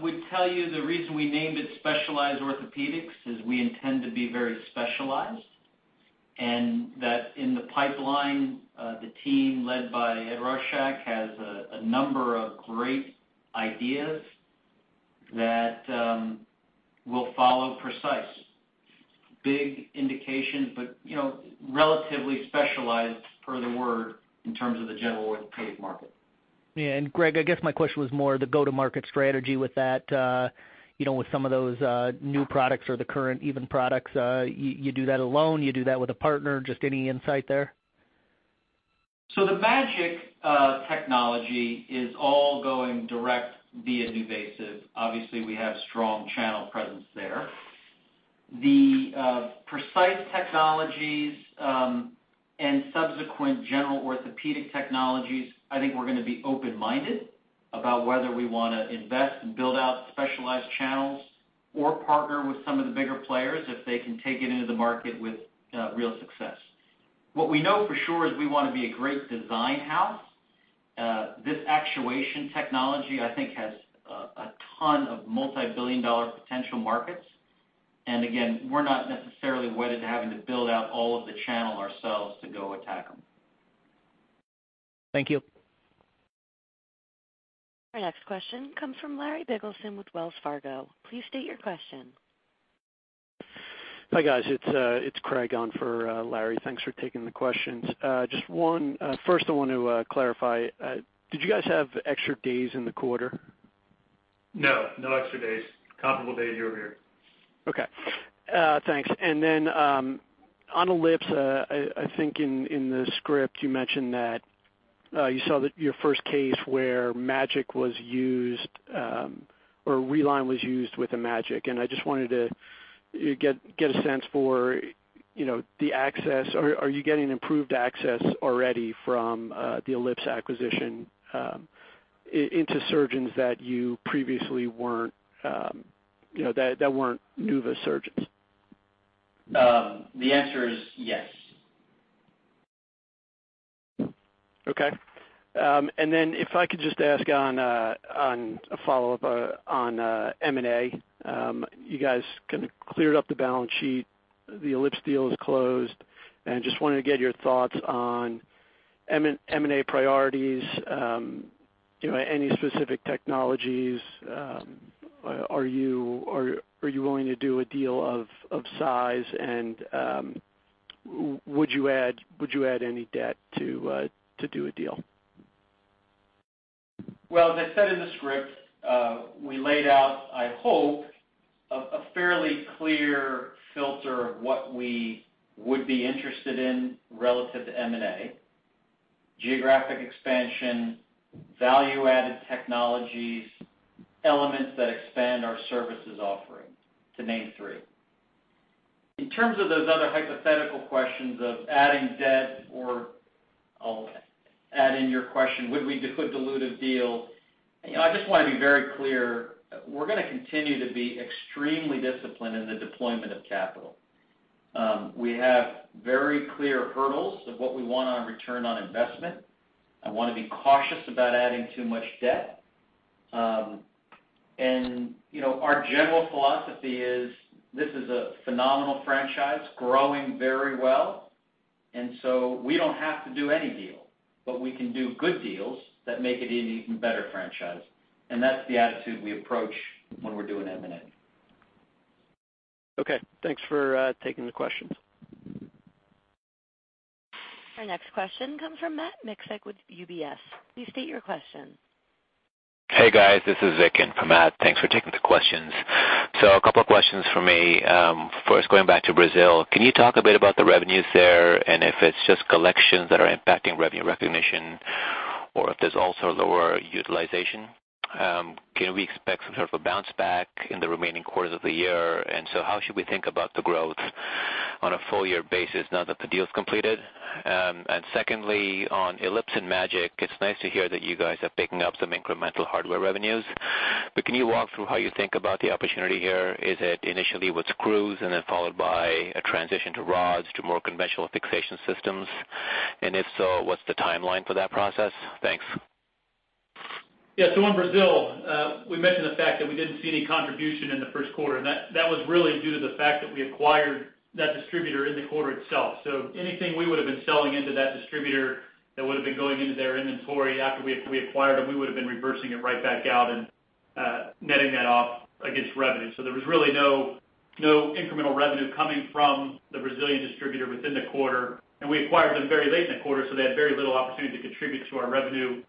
would tell you the reason we named it Specialized Orthopedics is we intend to be very specialized. In the pipeline, the team led by Ed Rorschach has a number of great ideas that will follow PRECICE. Big indications, but relatively specialized per the word in terms of the general orthopedic market. Yeah. Greg, I guess my question was more the go-to-market strategy with that, with some of those new products or the current even products. You do that alone? You do that with a partner? Just any insight there? The MAGEC technology is all going direct via NuVasive. Obviously, we have strong channel presence there. The PRECICE technologies and subsequent general orthopedic technologies, I think we're going to be open-minded about whether we want to invest and build out specialized channels or partner with some of the bigger players if they can take it into the market with real success. What we know for sure is we want to be a great design house. This actuation technology, I think, has a ton of multi-billion dollar potential markets. Again, we're not necessarily wedded to having to build out all of the channel ourselves to go attack them. Thank you. Our next question comes from Larry Bigelsen with Wells Fargo. Please state your question. Hi, guys. It's Craig on for Larry. Thanks for taking the questions. Just one, first, I want to clarify. Did you guys have extra days in the quarter? No. No extra days. Comparable days year-over-year. Okay. Thanks. On Ellipse, I think in the script, you mentioned that you saw your first case where MAGEC was used or Reline was used with a MAGEC. I just wanted to get a sense for the access. Are you getting improved access already from the Ellipse acquisition into surgeons that you previously weren't, that weren't NuVasive surgeons? The answer is yes. If I could just ask a follow-up on M&A, you guys kind of cleared up the balance sheet. The Ellipse deal is closed. I just wanted to get your thoughts on M&A priorities, any specific technologies. Are you willing to do a deal of size? Would you add any debt to do a deal? As I said in the script, we laid out, I hope, a fairly clear filter of what we would be interested in relative to M&A, geographic expansion, value-added technologies, elements that expand our services offering to name three. In terms of those other hypothetical questions of adding debt or adding your question, would we put dilutive deal? I just want to be very clear. We are going to continue to be extremely disciplined in the deployment of capital. We have very clear hurdles of what we want on return on investment. I want to be cautious about adding too much debt. Our general philosophy is this is a phenomenal franchise growing very well. We do not have to do any deal, but we can do good deals that make it an even better franchise. That is the attitude we approach when we are doing M&A. Okay. Thanks for taking the questions. Our next question comes from Matt Miksic with UBS. Please state your question. Hey, guys. This is Vicken from Matt. Thanks for taking the questions. A couple of questions for me. First, going back to Brazil, can you talk a bit about the revenues there and if it's just collections that are impacting revenue recognition or if there's also lower utilization? Can we expect some sort of a bounce back in the remaining quarters of the year? How should we think about the growth on a full-year basis now that the deal's completed? Secondly, on Ellipse and MAGEC, it's nice to hear that you guys are picking up some incremental hardware revenues. Can you walk through how you think about the opportunity here? Is it initially with screws and then followed by a transition to rods to more conventional fixation systems? And if so, what's the timeline for that process? Thanks. Yeah. In Brazil, we mentioned the fact that we did not see any contribution in the first quarter. That was really due to the fact that we acquired that distributor in the quarter itself. Anything we would have been selling into that distributor that would have been going into their inventory after we acquired them, we would have been reversing it right back out and netting that off against revenue. There was really no incremental revenue coming from the Brazilian distributor within the quarter. We acquired them very late in the quarter, so they had very little opportunity to contribute to our revenue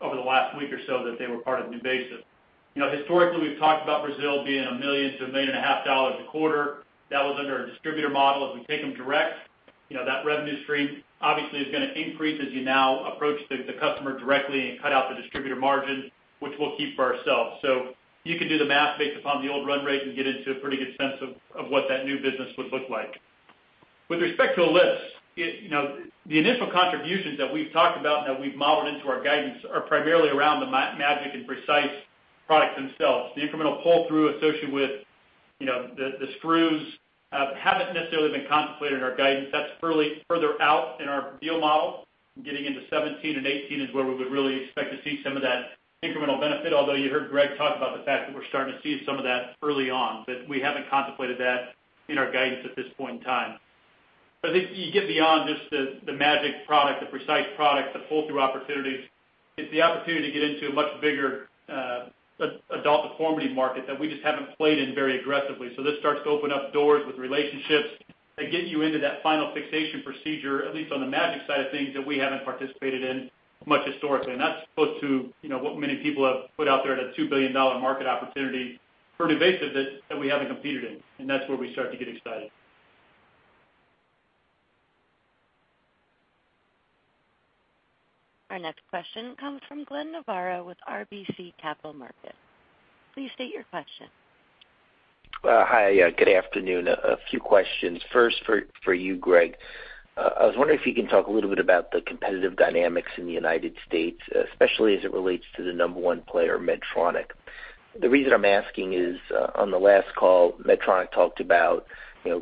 over the last week or so that they were part of NuVasive. Historically, we've talked about Brazil being $1 million to $1.5 million a quarter. That was under our distributor model. If we take them direct, that revenue stream obviously is going to increase as you now approach the customer directly and cut out the distributor margin, which we'll keep for ourselves. You can do the math based upon the old run rate and get into a pretty good sense of what that new business would look like. With respect to Ellipse, the initial contributions that we've talked about and that we've modeled into our guidance are primarily around the MAGEC and PRECICE products themselves. The incremental pull-through associated with the screws haven't necessarily been contemplated in our guidance. That's further out in our deal model. Getting into 2017 and 2018 is where we would really expect to see some of that incremental benefit, although you heard Greg talk about the fact that we're starting to see some of that early on. We haven't contemplated that in our guidance at this point in time. I think you get beyond just the MAGEC product, the PRECICE product, the pull-through opportunities. It's the opportunity to get into a much bigger adult deformity market that we just haven't played in very aggressively. This starts to open up doors with relationships that get you into that final fixation procedure, at least on the MAGEC side of things that we haven't participated in much historically. That is close to what many people have put out there at a $2 billion market opportunity for NuVasive that we haven't competed in. That's where we start to get excited. Our next question comes from Glenn Novarro with RBC Capital Markets. Please state your question. Hi. Good afternoon. A few questions. First, for you, Greg, I was wondering if you can talk a little bit about the competitive dynamics in the United States, especially as it relates to the number one player, Medtronic. The reason I'm asking is on the last call, Medtronic talked about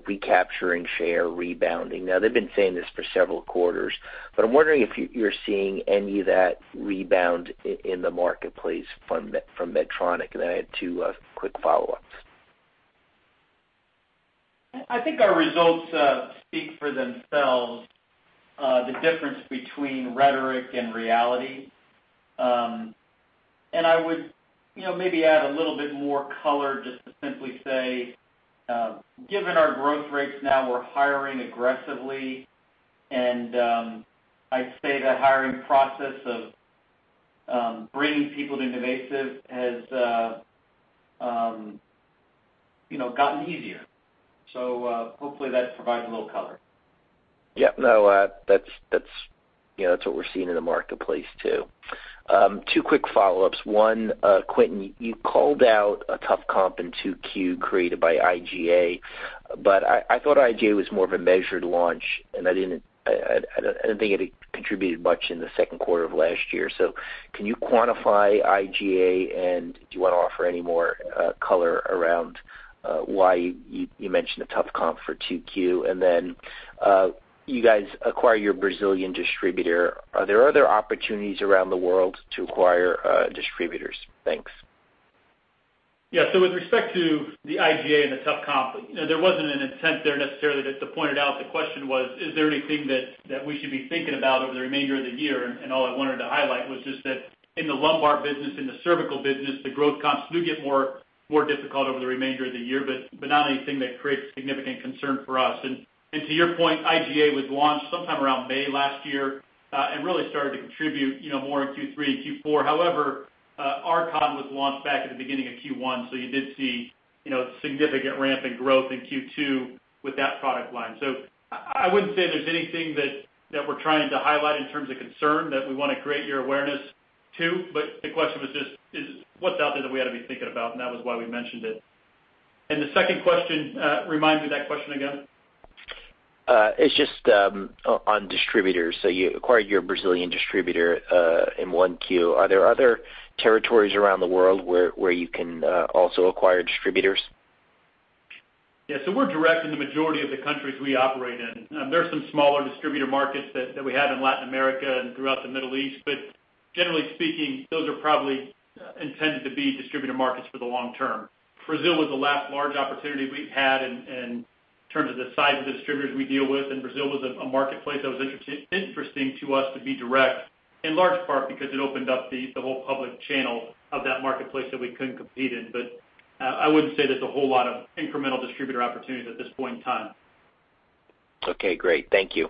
recapturing share, rebounding. Now, they've been saying this for several quarters. I'm wondering if you're seeing any of that rebound in the marketplace from Medtronic. I had two quick follow-ups. I think our results speak for themselves, the difference between rhetoric and reality. I would maybe add a little bit more color just to simply say, given our growth rates now, we're hiring aggressively. I'd say the hiring process of bringing people to NuVasive has gotten easier. Hopefully, that provides a little color. Yep. No, that's what we're seeing in the marketplace too. Two quick follow-ups. One, Quentin, you called out a tough comp in 2Q created by IGA. But I thought IGA was more of a measured launch, and I did not think it had contributed much in the second quarter of last year. Can you quantify IGA, and do you want to offer any more color around why you mentioned a tough comp for 2Q? You guys acquired your Brazilian distributor. Are there other opportunities around the world to acquire distributors? Thanks. Yeah. With respect to the IGA and the tough comp, there was not an intent there necessarily to point it out. The question was, is there anything that we should be thinking about over the remainder of the year? All I wanted to highlight was just that in the lumbar business, in the cervical business, the growth comps do get more difficult over the remainder of the year, but not anything that creates significant concern for us. To your point, IGA was launched sometime around May last year and really started to contribute more in Q3 and Q4. However, RCON was launched back at the beginning of Q1. You did see significant ramping growth in Q2 with that product line. I would not say there is anything that we are trying to highlight in terms of concern that we want to create your awareness to. The question was just, what is out there that we ought to be thinking about? That was why we mentioned it. The second question, remind me of that question again. It is just on distributors. You acquired your Brazilian distributor in one queue. Are there other territories around the world where you can also acquire distributors? Yeah. We're direct in the majority of the countries we operate in. There are some smaller distributor markets that we have in Latin America and throughout the Middle East. Generally speaking, those are probably intended to be distributor markets for the long term. Brazil was the last large opportunity we had in terms of the size of the distributors we deal with. Brazil was a marketplace that was interesting to us to be direct, in large part because it opened up the whole public channel of that marketplace that we could not compete in. I would not say there is a whole lot of incremental distributor opportunities at this point in time. Okay. Great. Thank you.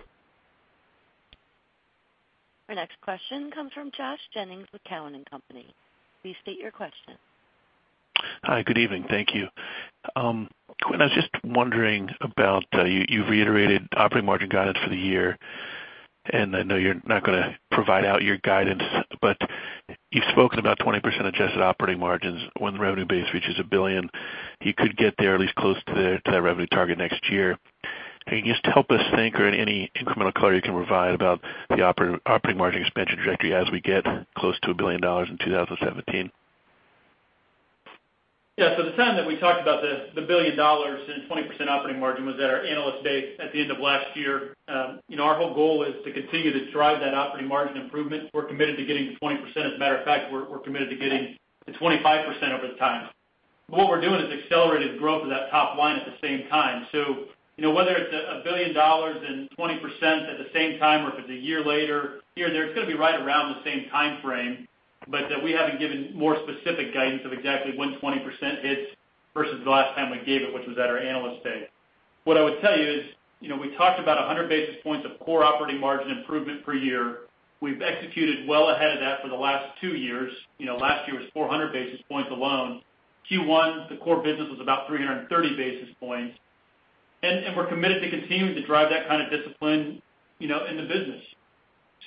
Our next question comes from Josh Jennings with Cowen & Company. Please state your question. Hi. Good evening. Thank you. Quinn, I was just wondering about you've reiterated operating margin guidance for the year. I know you're not going to provide out your guidance, but you've spoken about 20% adjusted operating margins. When the revenue base reaches a billion, you could get there at least close to that revenue target next year. Can you just help us think, or any incremental color you can provide, about the operating margin expansion trajectory as we get close to a billion dollars in 2017? Yeah. The time that we talked about the billion dollars and 20% operating margin was at our analyst base at the end of last year. Our whole goal is to continue to drive that operating margin improvement. We're committed to getting to 20%. As a matter of fact, we're committed to getting to 25% over time. What we're doing is accelerating the growth of that top line at the same time. Whether it's a billion dollars and 20% at the same time or if it's a year later, here and there, it's going to be right around the same time frame. We haven't given more specific guidance of exactly when 20% hits versus the last time we gave it, which was at our analyst day. What I would tell you is we talked about 100 basis points of core operating margin improvement per year. We've executed well ahead of that for the last two years. Last year was 400 basis points alone. Q1, the core business was about 330 basis points. We're committed to continuing to drive that kind of discipline in the business.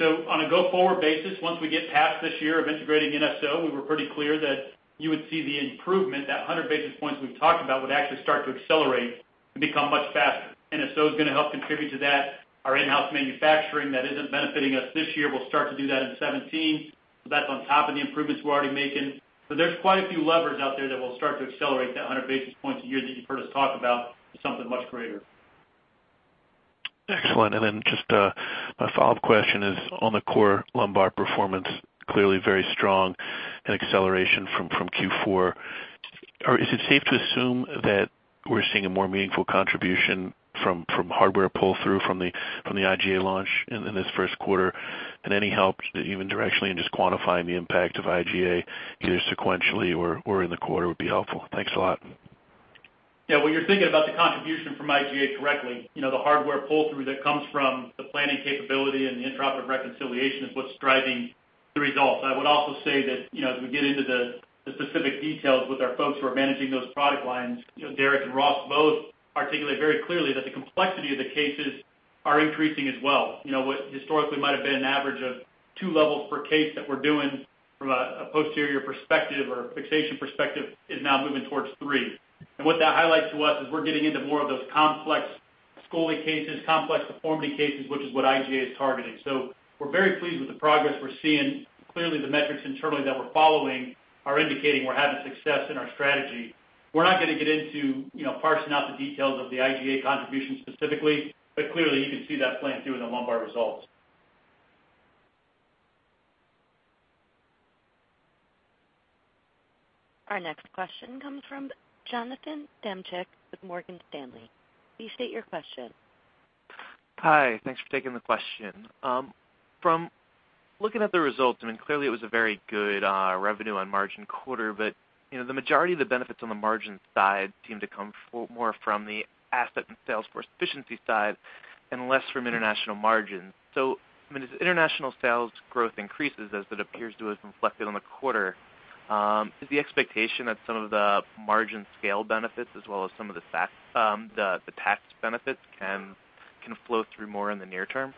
On a go-forward basis, once we get past this year of integrating NSO, we were pretty clear that you would see the improvement. That 100 basis points we've talked about would actually start to accelerate and become much faster. NSO is going to help contribute to that. Our in-house manufacturing that isn't benefiting us this year will start to do that in 2017. That's on top of the improvements we're already making. There are quite a few levers out there that will start to accelerate that 100 basis points a year that you've heard us talk about to something much greater. Excellent. Just my follow-up question is, on the core lumbar performance, clearly very strong in acceleration from Q4. Is it safe to assume that we're seeing a more meaningful contribution from hardware pull-through from the IGA launch in this first quarter? Any help, even directionally, in just quantifying the impact of IGA, either sequentially or in the quarter, would be helpful. Thanks a lot. Yeah. You're thinking about the contribution from IGA directly. The hardware pull-through that comes from the planning capability and the interoperative reconciliation is what's driving the results. I would also say that as we get into the specific details with our folks who are managing those product lines, Derek and Ross both articulate very clearly that the complexity of the cases are increasing as well. What historically might have been an average of two levels per case that we're doing from a posterior perspective or fixation perspective is now moving towards three. What that highlights to us is we're getting into more of those complex scoli cases, complex deformity cases, which is what IGA is targeting. We're very pleased with the progress we're seeing. Clearly, the metrics internally that we're following are indicating we're having success in our strategy. We're not going to get into parsing out the details of the IGA contribution specifically, but clearly, you can see that playing through in the lumbar results. Our next question comes from Jonathan Demchak with Morgan Stanley. Please state your question. Hi. Thanks for taking the question. From looking at the results, I mean, clearly, it was a very good revenue and margin quarter, but the majority of the benefits on the margin side seem to come more from the asset and sales for efficiency side and less from international margins. I mean, as international sales growth increases as it appears to have reflected on the quarter, is the expectation that some of the margin scale benefits as well as some of the tax benefits can flow through more in the near term?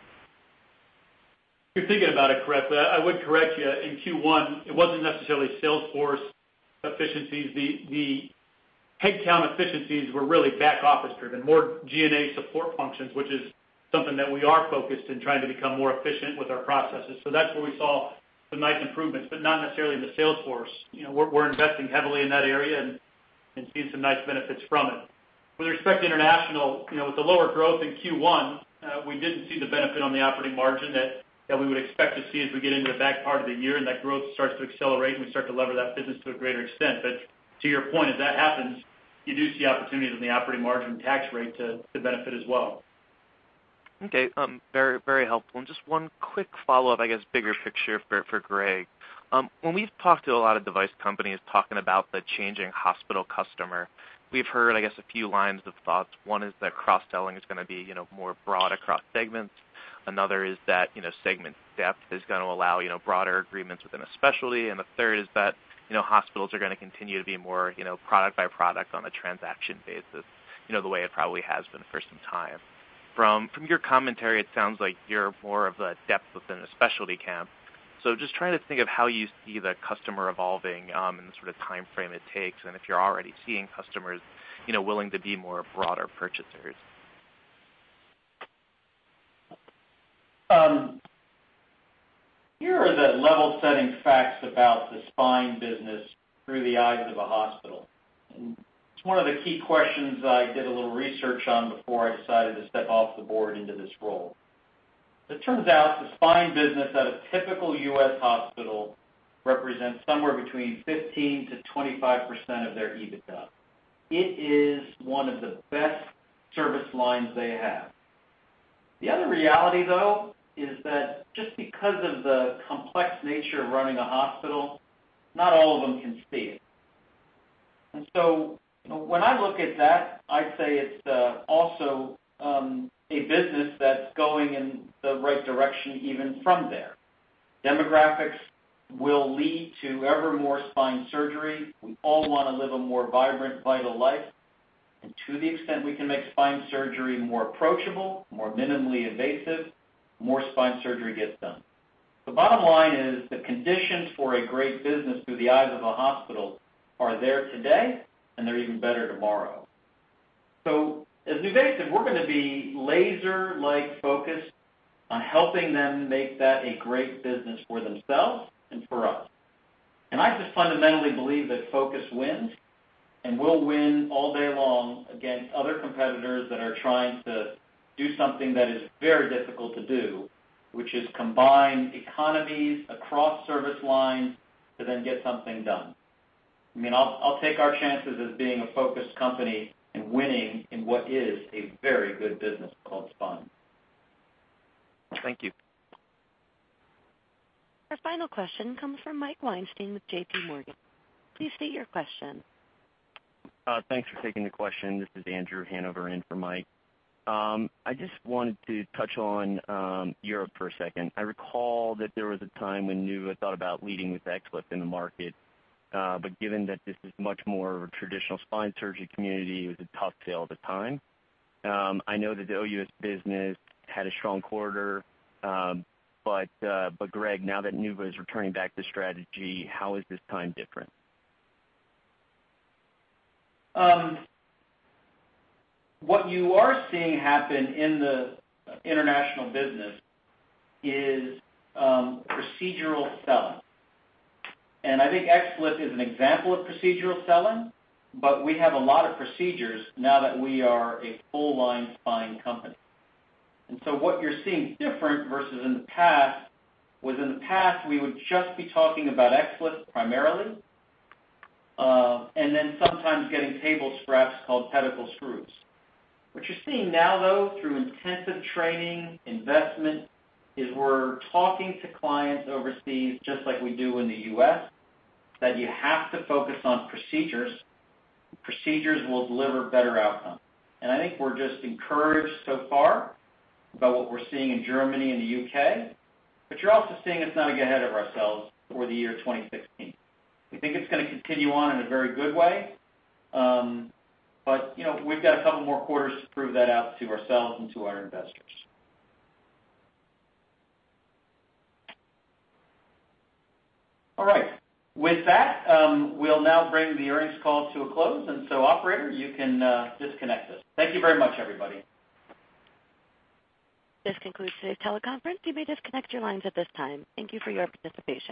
You're thinking about it correctly. I would correct you. In Q1, it wasn't necessarily sales force efficiencies. The headcount efficiencies were really back office-driven, more G&A support functions, which is something that we are focused in trying to become more efficient with our processes. That's where we saw some nice improvements, but not necessarily in the sales force. We're investing heavily in that area and seeing some nice benefits from it. With respect to international, with the lower growth in Q1, we did not see the benefit on the operating margin that we would expect to see as we get into the back part of the year and that growth starts to accelerate and we start to lever that business to a greater extent. To your point, as that happens, you do see opportunities in the operating margin tax rate to benefit as well. Okay. Very helpful. Just one quick follow-up, I guess, bigger picture for Greg. When we have talked to a lot of device companies talking about the changing hospital customer, we have heard, I guess, a few lines of thoughts. One is that cross-selling is going to be more broad across segments. Another is that segment depth is going to allow broader agreements within a specialty. The third is that hospitals are going to continue to be more product-by-product on a transaction basis, the way it probably has been for some time. From your commentary, it sounds like you're more of a depth within a specialty camp. Just trying to think of how you see the customer evolving and the sort of time frame it takes and if you're already seeing customers willing to be more broader purchasers. Here are the level-setting facts about the spine business through the eyes of a hospital. It is one of the key questions I did a little research on before I decided to step off the board into this role. It turns out the spine business at a typical U.S. hospital represents somewhere between 15%-25% of their EBITDA. It is one of the best service lines they have. The other reality, though, is that just because of the complex nature of running a hospital, not all of them can see it. When I look at that, I'd say it's also a business that's going in the right direction even from there. Demographics will lead to ever more spine surgery. We all want to live a more vibrant, vital life. To the extent we can make spine surgery more approachable, more minimally invasive, more spine surgery gets done. The bottom line is the conditions for a great business through the eyes of a hospital are there today, and they're even better tomorrow. As NuVasive, we're going to be laser-like focused on helping them make that a great business for themselves and for us. I just fundamentally believe that focus wins, and we'll win all day long against other competitors that are trying to do something that is very difficult to do, which is combine economies across service lines to then get something done. I mean, I'll take our chances as being a focused company and winning in what is a very good business called spine. Thank you. Our final question comes from Mike Weinstein with JPMorgan. Please state your question. Thanks for taking the question. This is Andrew Hanover in for Mike. I just wanted to touch on Europe for a second. I recall that there was a time when NuVasive thought about leading with XLIF in the market. But given that this is much more of a traditional spine surgery community, it was a tough sale at the time. I know that the OUS business had a strong quarter. Greg, now that NuVasive is returning back to strategy, how is this time different? What you are seeing happen in the international business is procedural selling. I think XLIF is an example of procedural selling, but we have a lot of procedures now that we are a full-line spine company. What you're seeing different versus in the past was in the past, we would just be talking about XLIF primarily and then sometimes getting table scraps called pedicle screws. What you're seeing now, though, through intensive training, investment, is we're talking to clients overseas just like we do in the U.S., that you have to focus on procedures. Procedures will deliver better outcomes. I think we're just encouraged so far by what we're seeing in Germany and the U.K. You're also seeing us not a good head of ourselves for the year 2016. We think it's going to continue on in a very good way. We have got a couple more quarters to prove that out to ourselves and to our investors. All right. With that, we will now bring the earnings call to a close. Operator, you can disconnect us. Thank you very much, everybody. This concludes today's teleconference. You may disconnect your lines at this time. Thank you for your participation.